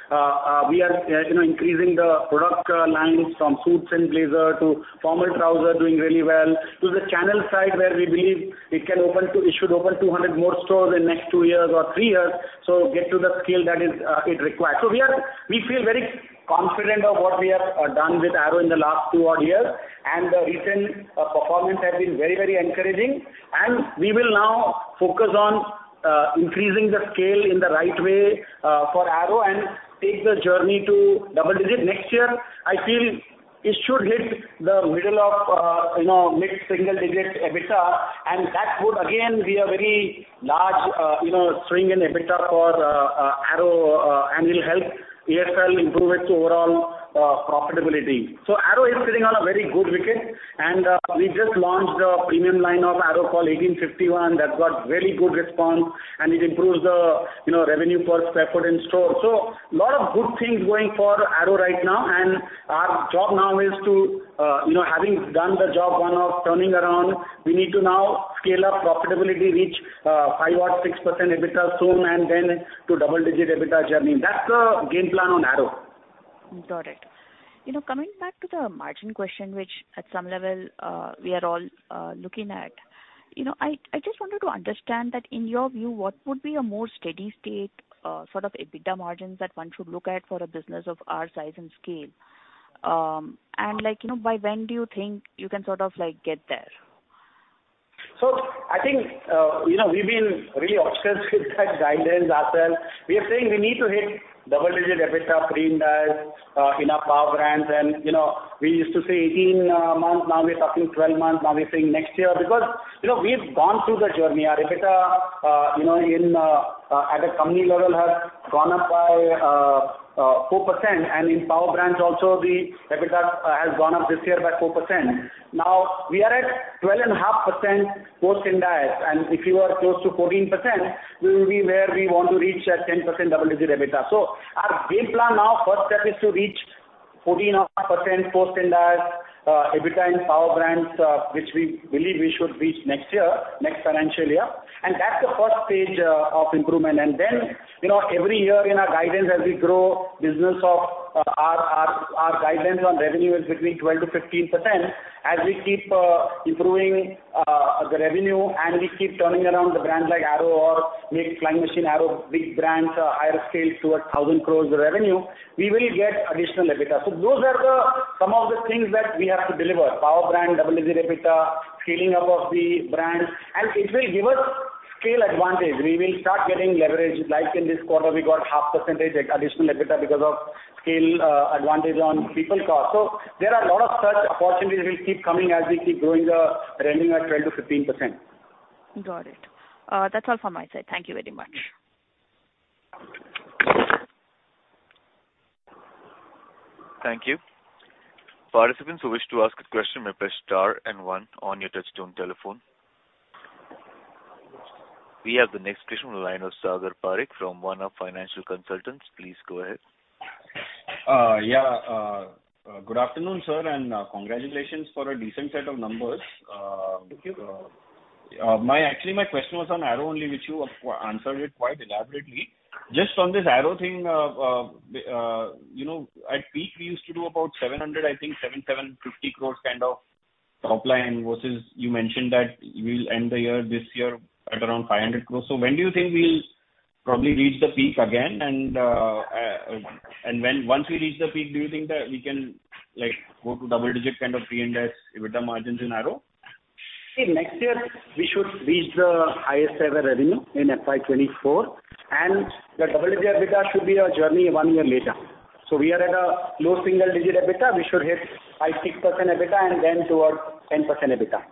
We are, you know, increasing the product lines from suits and blazer to formal trouser doing really well, to the channel side where we believe it should open 200 more stores in next twoo years or three years, so get to the scale that is it requires. We feel very confident of what we have done with Arrow in the last two odd years, and the recent performance has been very, very encouraging. We will now focus on increasing the scale in the right way for Arrow and take the journey to double digit. Next year, I feel it should hit the middle of, you know, mid-single digit EBITDA, and that would again be a very large, you know, swing in EBITDA for Arrow and will help AFL improve its overall profitability. Arrow is sitting on a very good wicket, and we just launched a premium line of Arrow called 1851. That got very good response, and it improves the, you know, revenue per square foot in store. A lot of good things going for Arrow right now and our job now is to, you know, having done the job, one of turning around, we need to now scale up profitability, reach, 5% or 6% EBITDA soon and then to double-digit EBITDA journey. That's the game plan on Arrow. Got it. You know, coming back to the margin question, which at some level, we are all looking at. You know, I just wanted to understand that in your view, what would be a more steady state, sort of EBITDA margins that one should look at for a business of our size and scale? Like, you know, by when do you think you can sort of like get there? I think, you know, we've been really obsessed with that guidance ourselves. We are saying we need to hit double-digit EBITDA pre-IndAS, in our power brands. You know, we used to say 18 months, now we're talking 12 months, now we're saying next year because, you know, we've gone through the journey. Our EBITDA, you know, in at a company level has gone up by 4%. In power brands also the EBITDA has gone up this year by 4%. Now we are at 12.5% post IndAS, and if you are close to 14%, we will be where we want to reach at 10% double-digit EBITDA. Our game plan now, first step is to reach 14.5% post-IndAS EBITDA in power brands, which we believe we should reach next year, next financial year. That's the first stage of improvement. Then, you know, every year in our guidance as we grow business of, our, our guidance on revenue is between 12%-15%. As we keep improving the revenue and we keep turning around the brands like Arrow or make Flying Machine, Arrow, big brands, higher scale towards 1,000 crore revenue, we will get additional EBITDA. Those are the some of the things that we have to deliver, power brand, double-digit EBITDA, scaling up of the brands, and it will give us scale advantage. We will start getting leverage like in this quarter we got half percent additional EBITDA because of scale advantage on people cost. There are a lot of such opportunities will keep coming as we keep growing the revenue at 12%-15%. Got it. That's all from my side. Thank you very much. Thank you. Participants who wish to ask a question may press star and one on your touchtone telephone. We have the next question on the line of Sagar Parekh from One Up Financial Consultants. Please go ahead. Yeah, good afternoon, sir, and congratulations for a decent set of numbers. Thank you. Actually, my question was on Arrow only, which you answered it quite elaborately. Just on this Arrow thing, you know, at peak we used to do about 700, I think 750 crores kind of top line versus you mentioned that we'll end the year this year at around 500 crores. When do you think we'll probably reach the peak again? Once we reach the peak, do you think that we can, like, go to double-digit kind of pre-IndAS EBITDA margins in Arrow? Next year we should reach the highest ever revenue in FY 2024, and the double-digit EBITDA should be a journey one year later. We are at a low single-digit EBITDA. We should hit 5%, 6% EBITDA and then towards 10% EBITDA.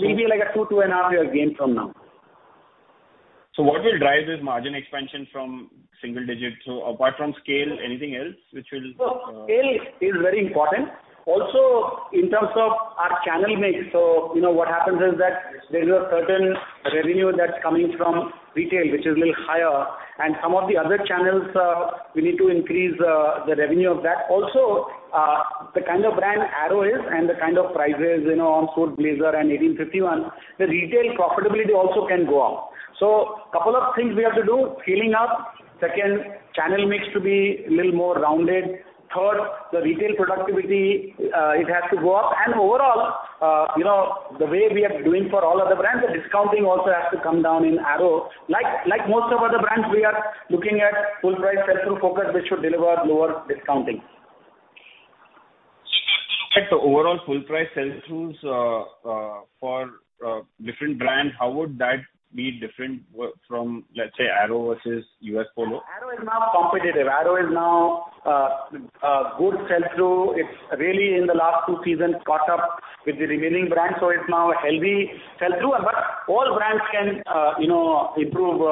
Maybe like a two to two and a half year gain from now. What will drive this margin expansion from single digit? Apart from scale, anything else which will? Scale is very important. Also, in terms of our channel mix, you know, what happens is that there is a certain revenue that's coming from retail, which is a little higher, and some of the other channels, we need to increase the revenue of that. Also, the kind of brand Arrow is and the kind of prices, you know, on suit blazer and 1851, the retail profitability also can go up. Couple of things we have to do, scaling up. Second, channel mix to be a little more rounded. Third, the retail productivity, it has to go up. Overall, you know, the way we are doing for all other brands, the discounting also has to come down in Arrow. Like, like most of other brands, we are looking at full price sell-through focus, which should deliver lower discounting. Got it. Overall full price sell-throughs, for different brands, how would that be different from, let's say, Arrow versus U.S. Polo? Arrow is now competitive. Arrow is now a good sell-through. It's really in the last two seasons caught up with the remaining brands, so it's now a healthy sell-through. All brands can, you know, improve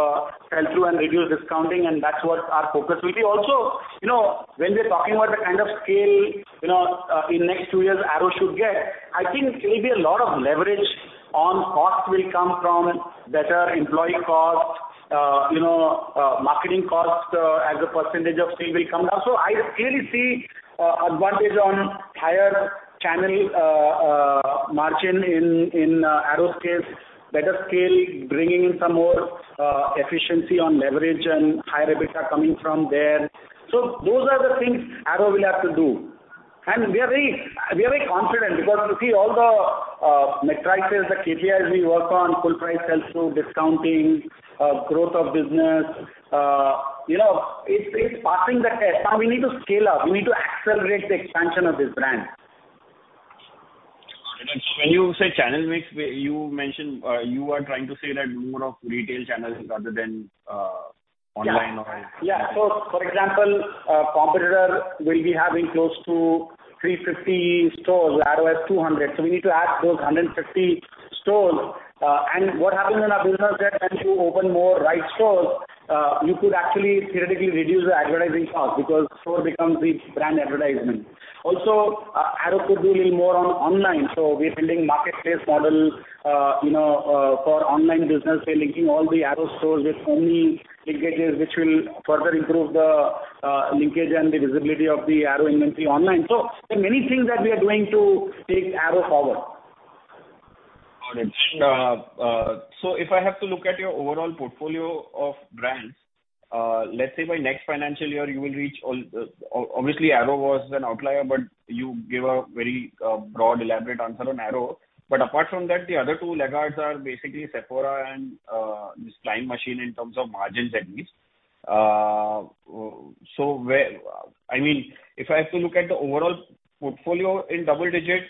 sell-through and reduce discounting and that's what our focus will be. Also, you know, when we're talking about the kind of scale, you know, in next two years Arrow should get, I think maybe a lot of leverage on cost will come from better employee cost, you know, marketing cost as a percentage of sale will come down. I clearly see advantage on higher channel margin in Arrow's case, better scale, bringing in some more efficiency on leverage and higher EBITDA coming from there. Those are the things Arrow will have to do. We are very confident because you see all the metrics, the KPIs we work on, full price sell-through, discounting, growth of business, you know, it's passing the test. Now we need to scale up. We need to accelerate the expansion of this brand. Got it. When you say channel mix, you mentioned you are trying to say that more of retail channels rather than online? Yeah. Yeah. For example, a competitor will be having close to 350 stores. Arrow has 200. We need to add those 150 stores. What happens once you open more right stores, you could actually theoretically reduce the advertising cost because store becomes the brand advertisement. Also, Arrow could be a little more on online, we're building marketplace model, you know, for online business. We're linking all the Arrow stores with Omni linkages, which will further improve the linkage and the visibility of the Arrow inventory online. There are many things that we are doing to take Arrow forward. Got it. If I have to look at your overall portfolio of brands, let's say by next financial year, you will reach all... Obviously Arrow was an outlier, but you gave a very broad elaborate answer on Arrow. Apart from that, the other two laggards are basically Sephora and this Flying Machine in terms of margins at least. Where... I mean, if I have to look at the overall portfolio in double digits,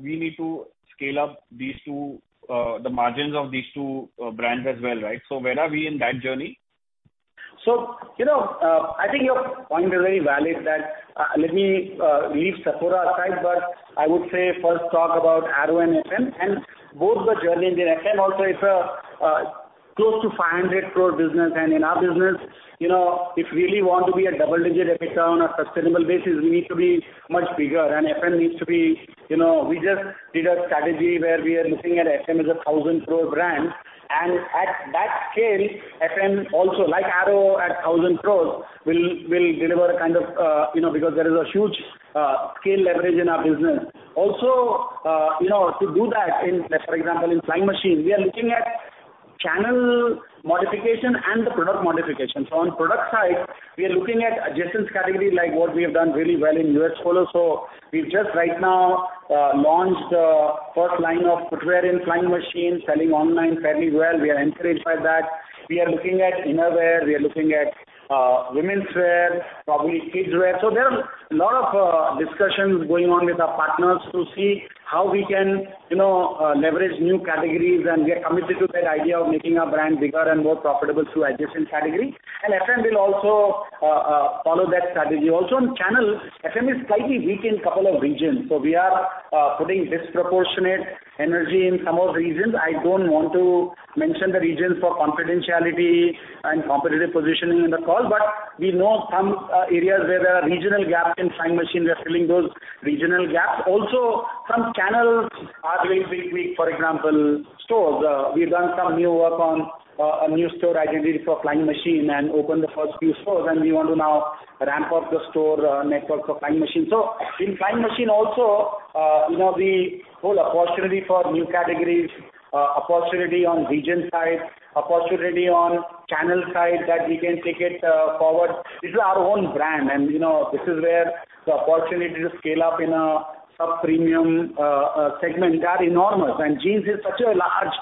we need to scale up these two, the margins of these two brands as well, right? Where are we in that journey? You know, I think your point is very valid that, let me leave Sephora aside, but I would say first talk about Arrow and FM, and both the journeys in FM also, it's a close to 500 crore business. In our business, you know, if we really want to be a double-digit EBITDA on a sustainable basis, we need to be much bigger and FM needs to be, you know. We just did a strategy where we are looking at FM as a 1,000 crore brand. At that scale, FM also like Arrow at 1,000 crores will deliver a kind of, you know, because there is a huge scale leverage in our business. Also, you know, to do that in, let's say for example, in Flying Machine, we are looking at channel modification and the product modification. On product side, we are looking at adjacent category like what we have done really well in U.S. Polo. We've just right now, launched the first line of footwear in Flying Machine, selling online fairly well. We are encouraged by that. We are looking at innerwear, we are looking at women's wear, probably kids wear. There are a lot of discussions going on with our partners to see how we can, you know, leverage new categories, and we are committed to that idea of making our brand bigger and more profitable through adjacent category. FM will also follow that strategy. On channel, FM is slightly weak in couple of regions. We are putting disproportionate energy in some of the regions. I don't want to mention the regions for confidentiality and competitive positioning in the call, we know some areas where there are regional gaps in Flying Machine. We are filling those regional gaps. Some channels are very big week, for example, stores. We've done some new work on a new store identity for Flying Machine and opened the first few stores, we want to now ramp up the store network for Flying Machine. In Flying Machine also, you know, the whole opportunity for new categories, opportunity on region side, opportunity on channel side that we can take it forward. This is our own brand, you know, this is where the opportunity to scale up in a sub-premium segment are enormous. Jeans is such a large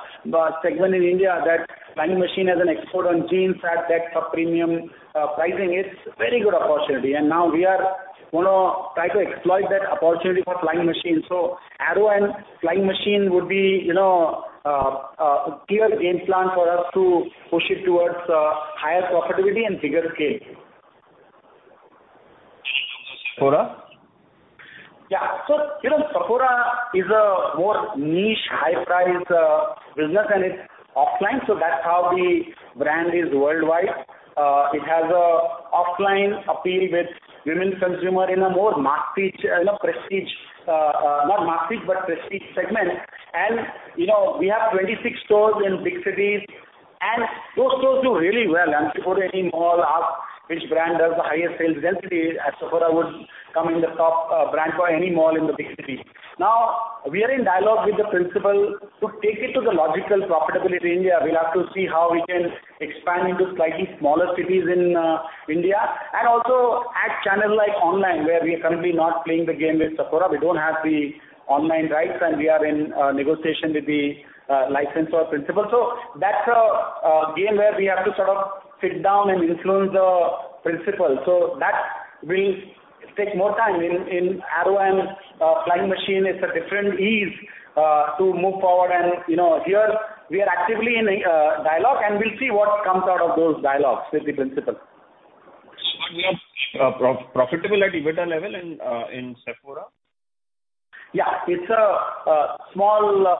segment in India that Flying Machine as an expert on jeans at that sub-premium pricing, it's a very good opportunity. Now we are gonna try to exploit that opportunity for Flying Machine. Arrow and Flying Machine would be, you know, clear game plan for us to push it towards higher profitability and bigger scale. Sephora? Yeah. You know, Sephora is a more niche, high-price business and it's offline, so that's how the brand is worldwide. It has a offline appeal with women consumer in a more mass reach, you know, prestige, not mass reach, but prestige segment. You know, we have 26 stores in big cities, and those stores do really well. If you go to any mall, ask which brand has the highest sales density, Sephora would come in the top brand for any mall in the big city. Now, we are in dialogue with the principal. To take it to the logical profitability in India, we'll have to see how we can expand into slightly smaller cities in India. Also add channel like online, where we are currently not playing the game with Sephora. We don't have the online rights. We are in negotiation with the licensor principal. That's a game where we have to sort of sit down and influence the principal. That will take more time. In Arrow and Flying Machine, it's a different ease to move forward. You know, here we are actively in a dialogue, and we'll see what comes out of those dialogues with the principal. We are profitable at EBITDA level in Sephora? It's a small,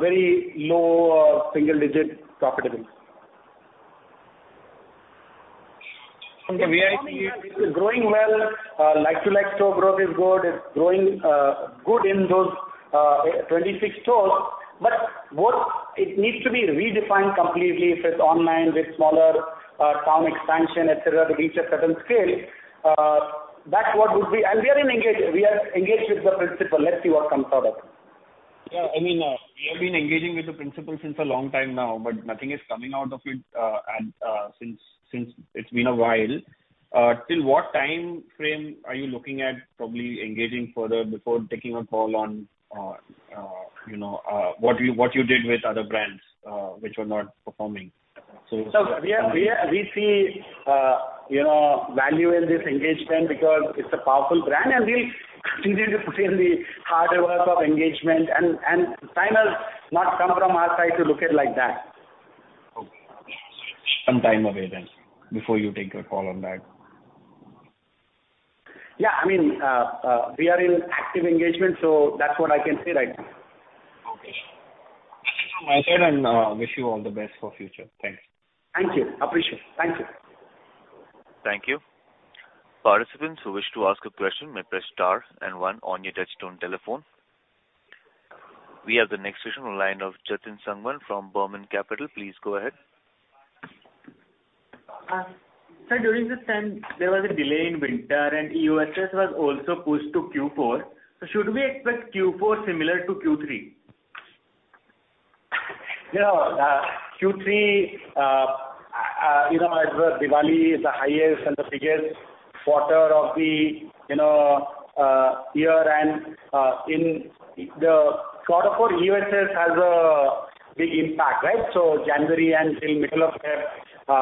very low single-digit profitability. From the VIP- It's performing well. It's growing well. Like-for-like store growth is good. It's growing good in those 26 stores. What it needs to be redefined completely if it's online with smaller town expansion, et cetera, to reach a certain scale. We are engaged with the principal. Let's see what comes out of it. Yeah. I mean, we have been engaging with the principal since a long time now, nothing is coming out of it. Since it's been a while. Till what timeframe are you looking at probably engaging further before taking a call on, you know, what you did with other brands, which were not performing? We see, you know, value in this engagement because it's a powerful brand and we'll continue to put in the hard work of engagement. Signal not come from our side to look at it like that. Okay. Some time away then, before you take a call on that. Yeah. I mean, we are in active engagement. That's what I can say right now. Okay. Thank you, Shailesh and, wish you all the best for future. Thanks. Thank you. Appreciate. Thank you. Thank you. Participants who wish to ask a question may press star 1 on your touchtone telephone. We have the next question on line of Jatin Sangwan from Burman Capital. Please go ahead. Sir, during this time, there was a delay in winter and EOSS was also pushed to Q4. Should we expect Q4 similar to Q3? You know, Q3, you know, as per Diwali is the highest and the biggest quarter of the, you know, year. In the quarter four EOSS has a big impact, right? January and till middle of February, EOSS comes.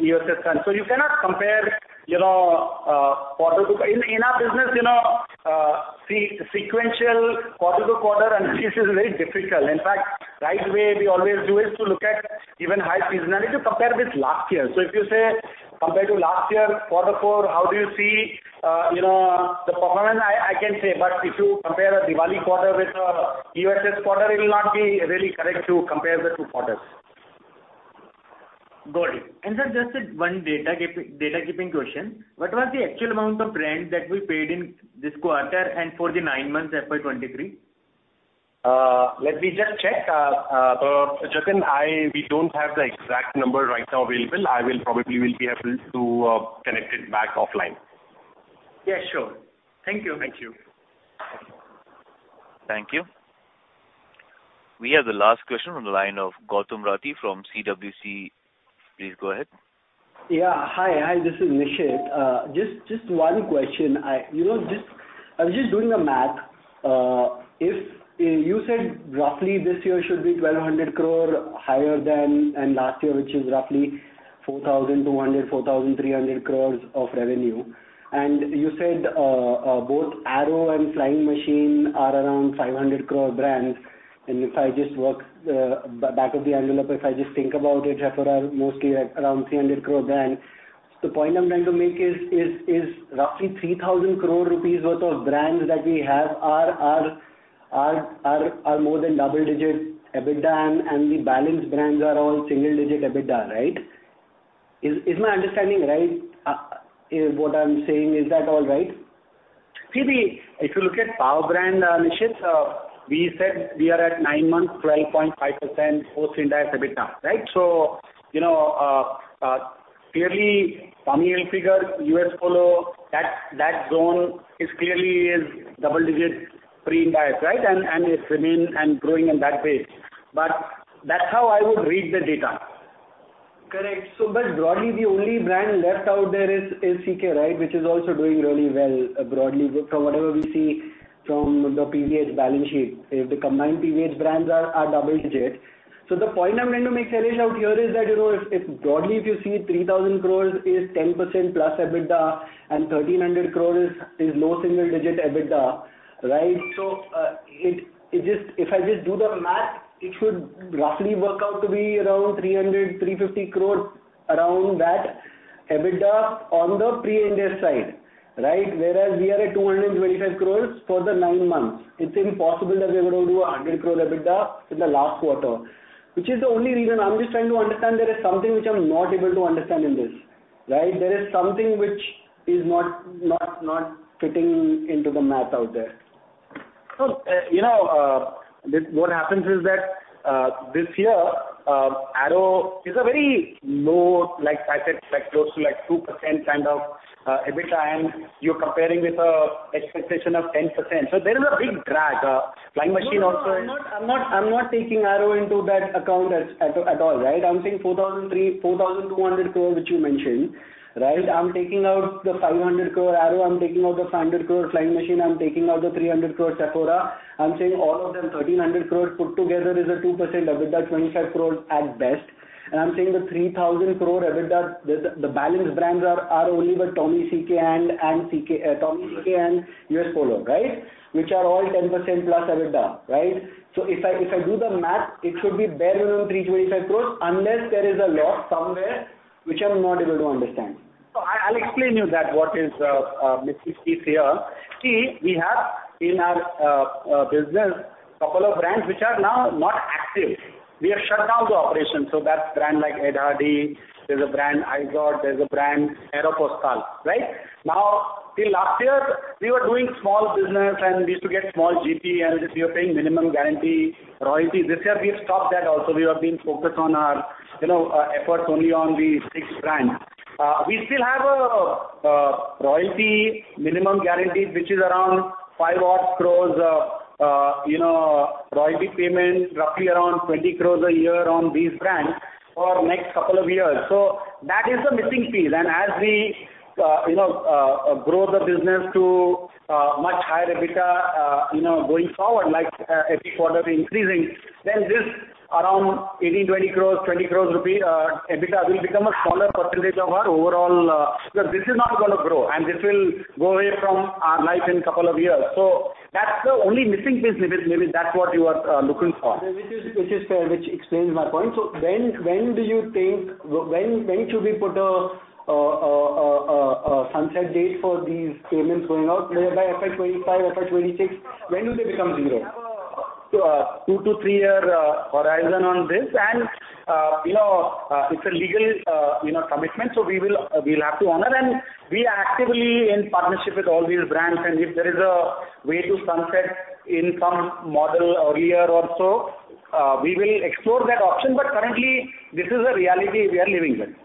You cannot compare, you know, quarter to. In our business, you know, sequential quarter to quarter analysis is very difficult. In fact, right way we always do is to look at even high seasonality to compare with last year. If you say compare to last year quarter four, how do you see, you know, the performance, I can say. If you compare a Diwali quarter with a EOSS quarter, it will not be really correct to compare the two quarters. Got it. sir, just one data keeping question. What was the actual amount of rent that we paid in this quarter and for the nine months FY 2023? Let me just check. Jatin, we don't have the exact number right now available. I will probably be able to connect it back offline. Yeah, sure. Thank you. Thank you. Thank you. We have the last question on the line of Gautam Rathi from CWC. Please go ahead. Yeah. Hi. Hi, this is Nishit. just one question. I, you know, I was just doing a math. if you said roughly this year should be 1,200 crore higher than last year, which is roughly 4,200 crore-4,300 crore of revenue. You said both Arrow and Flying Machine are around 500 crore brands. If I just work the back of the envelope, if I just think about it, Sephora are mostly at around 300 crore brand. The point I'm trying to make is roughly 3,000 crore rupees worth of brands that we have are more than double-digit EBITDA and the balance brands are all single-digit EBITDA, right? Is my understanding right? Is what I'm saying, is that all right? If you look at power brands initiatives, we said we are at nine months, 12.5% post-IndAS EBITDA, right? You know, clearly Tommy Hilfiger, U.S. Polo, that zone is clearly double-digit pre-IndAS, right? It remains and growing in that pace. That's how I would read the data. Correct. Broadly, the only brand left out there is CK, right? Which is also doing really well, broadly. From whatever we see from the PVH balance sheet, if the combined PVH brands are double-digit. The point I'm trying to make, Shailesh, out here is that, you know, if broadly you see 3,000 crore is 10%+ EBITDA and 1,300 crore is low single-digit EBITDA, right? It just, if I just do the math, it should roughly work out to be around 300-350 crore around that EBITDA on the pre-IndAS side, right? Whereas we are at 225 crore for the nine months. It's impossible that we're going to do 100 crore EBITDA in the last quarter, which is the only reason I'm just trying to understand there is something which I'm not able to understand in this, right? There is something which is not, not fitting into the math out there. You know, what happens is that, this year, Arrow is a very low, like I said, like close to like 2% kind of, EBITDA, and you're comparing with, expectation of 10%. There is a big drag. Flying Machine also- No, I'm not taking Arrow into that account at all, right? I'm saying 4,003, 4,200 crore, which you mentioned, right? I'm taking out the 500 crore Arrow. I'm taking out the 500 crore Flying Machine. I'm taking out the 300 crore Sephora. I'm saying all of them, 1,300 crore put together is a 2% EBITDA, 25 crore at best. I'm saying the 3,000 crore EBITDA, the balance brands are only the Tommy, CK and CK, Tommy, CK, and U.S. Polo, right? Which are all 10%+ EBITDA, right? If I do the math, it should be barely 325 crore unless there is a loss somewhere which I'm not able to understand. I'll explain you that what is missing piece here. We have in our business couple of brands which are now not active. We have shut down the operation, that's brand like Ed Hardy, there's a brand IZOD, there's a brand Aéropostale, right? Till last year we were doing small business and we used to get small GP and we were paying minimum guarantee royalty. This year we have stopped that also. We have been focused on our, you know, efforts only on these six brands. We still have a royalty minimum guarantee which is around 5-odd crores, you know, royalty payment roughly around 20 crores a year on these brands for next couple of years. That is the missing piece. As we, you know, grow the business to much higher EBITDA, you know, going forward, like every quarter increasing, this around 18, 20 crores, 20 crores rupee EBITDA will become a smaller percentage of our overall. Because this is not gonna grow, and this will go away from our life in a couple of years. That's the only missing piece if it maybe that's what you are looking for. Which is fair, which explains my point. When do you think when should we put a sunset date for these payments going out? Maybe by FY 2025, FY 2026, when do they become zero? We have a two to three-year horizon on this. You know, it's a legal, you know, commitment, so we will have to honor. We are actively in partnership with all these brands, and if there is a way to sunset in some model earlier or so, we will explore that option. Currently this is a reality we are living with.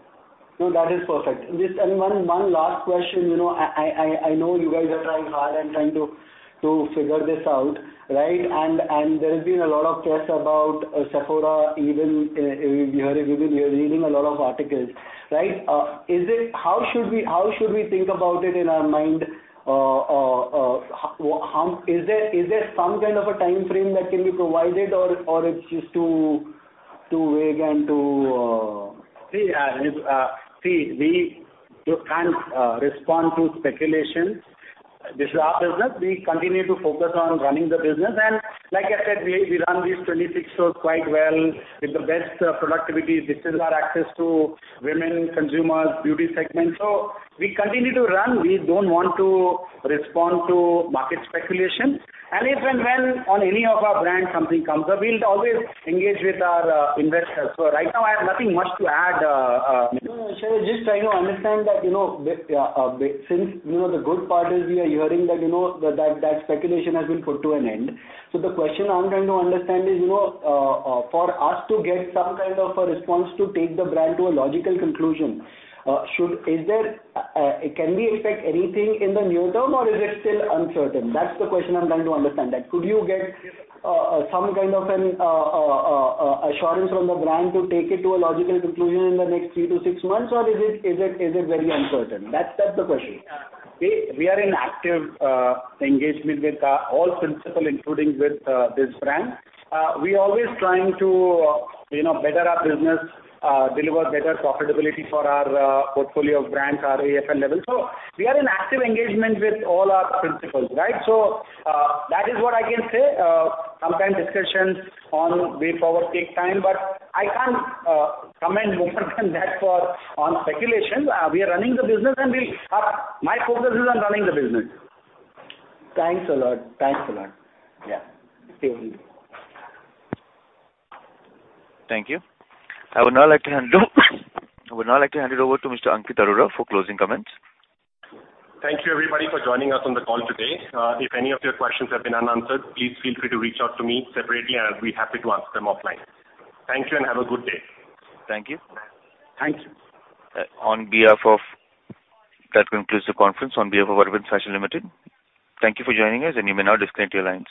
No, that is perfect. Just, and one last question. You know, I know you guys are trying hard and trying to figure this out, right? There has been a lot of press about Sephora even, we heard, we've been reading a lot of articles, right? How should we think about it in our mind? Is there some kind of a timeframe that can be provided or it's just too vague and too? See, we look and respond to speculation. This is our business. We continue to focus on running the business. Like I said, we run these 26 stores quite well with the best productivity. This is our access to women consumers, beauty segment. We continue to run. We don't want to respond to market speculation. If and when on any of our brand something comes up, we'll always engage with our investors. Right now I have nothing much to add. No, no, Shailesh, just trying to understand that, you know, since, you know, the good part is we are hearing that speculation has been put to an end. The question I'm trying to understand is, you know, for us to get some kind of a response to take the brand to a logical conclusion, is there, can we expect anything in the near term or is it still uncertain? That's the question I'm trying to understand, that could you get some kind of an assurance from the brand to take it to a logical conclusion in the next three to six months or is it very uncertain? That's the question. We are in active engagement with all principals including with this brand. We always trying to, you know, better our business, deliver better profitability for our portfolio of brands at AFL level. We are in active engagement with all our principals, right? That is what I can say. Sometimes discussions on way forward take time, but I can't comment more than that on speculation. We are running the business and my focus is on running the business. Thanks a lot. Thanks a lot. Yeah. Thank you. Thank you. I would now like to hand it over to Mr. Ankit Arora for closing comments. Thank you everybody for joining us on the call today. If any of your questions have been unanswered, please feel free to reach out to me separately, and I'll be happy to answer them offline. Thank you and have a good day. Thank you. Thank you. That concludes the conference on behalf of Arvind Fashions Limited. Thank you for joining us. You may now disconnect your lines.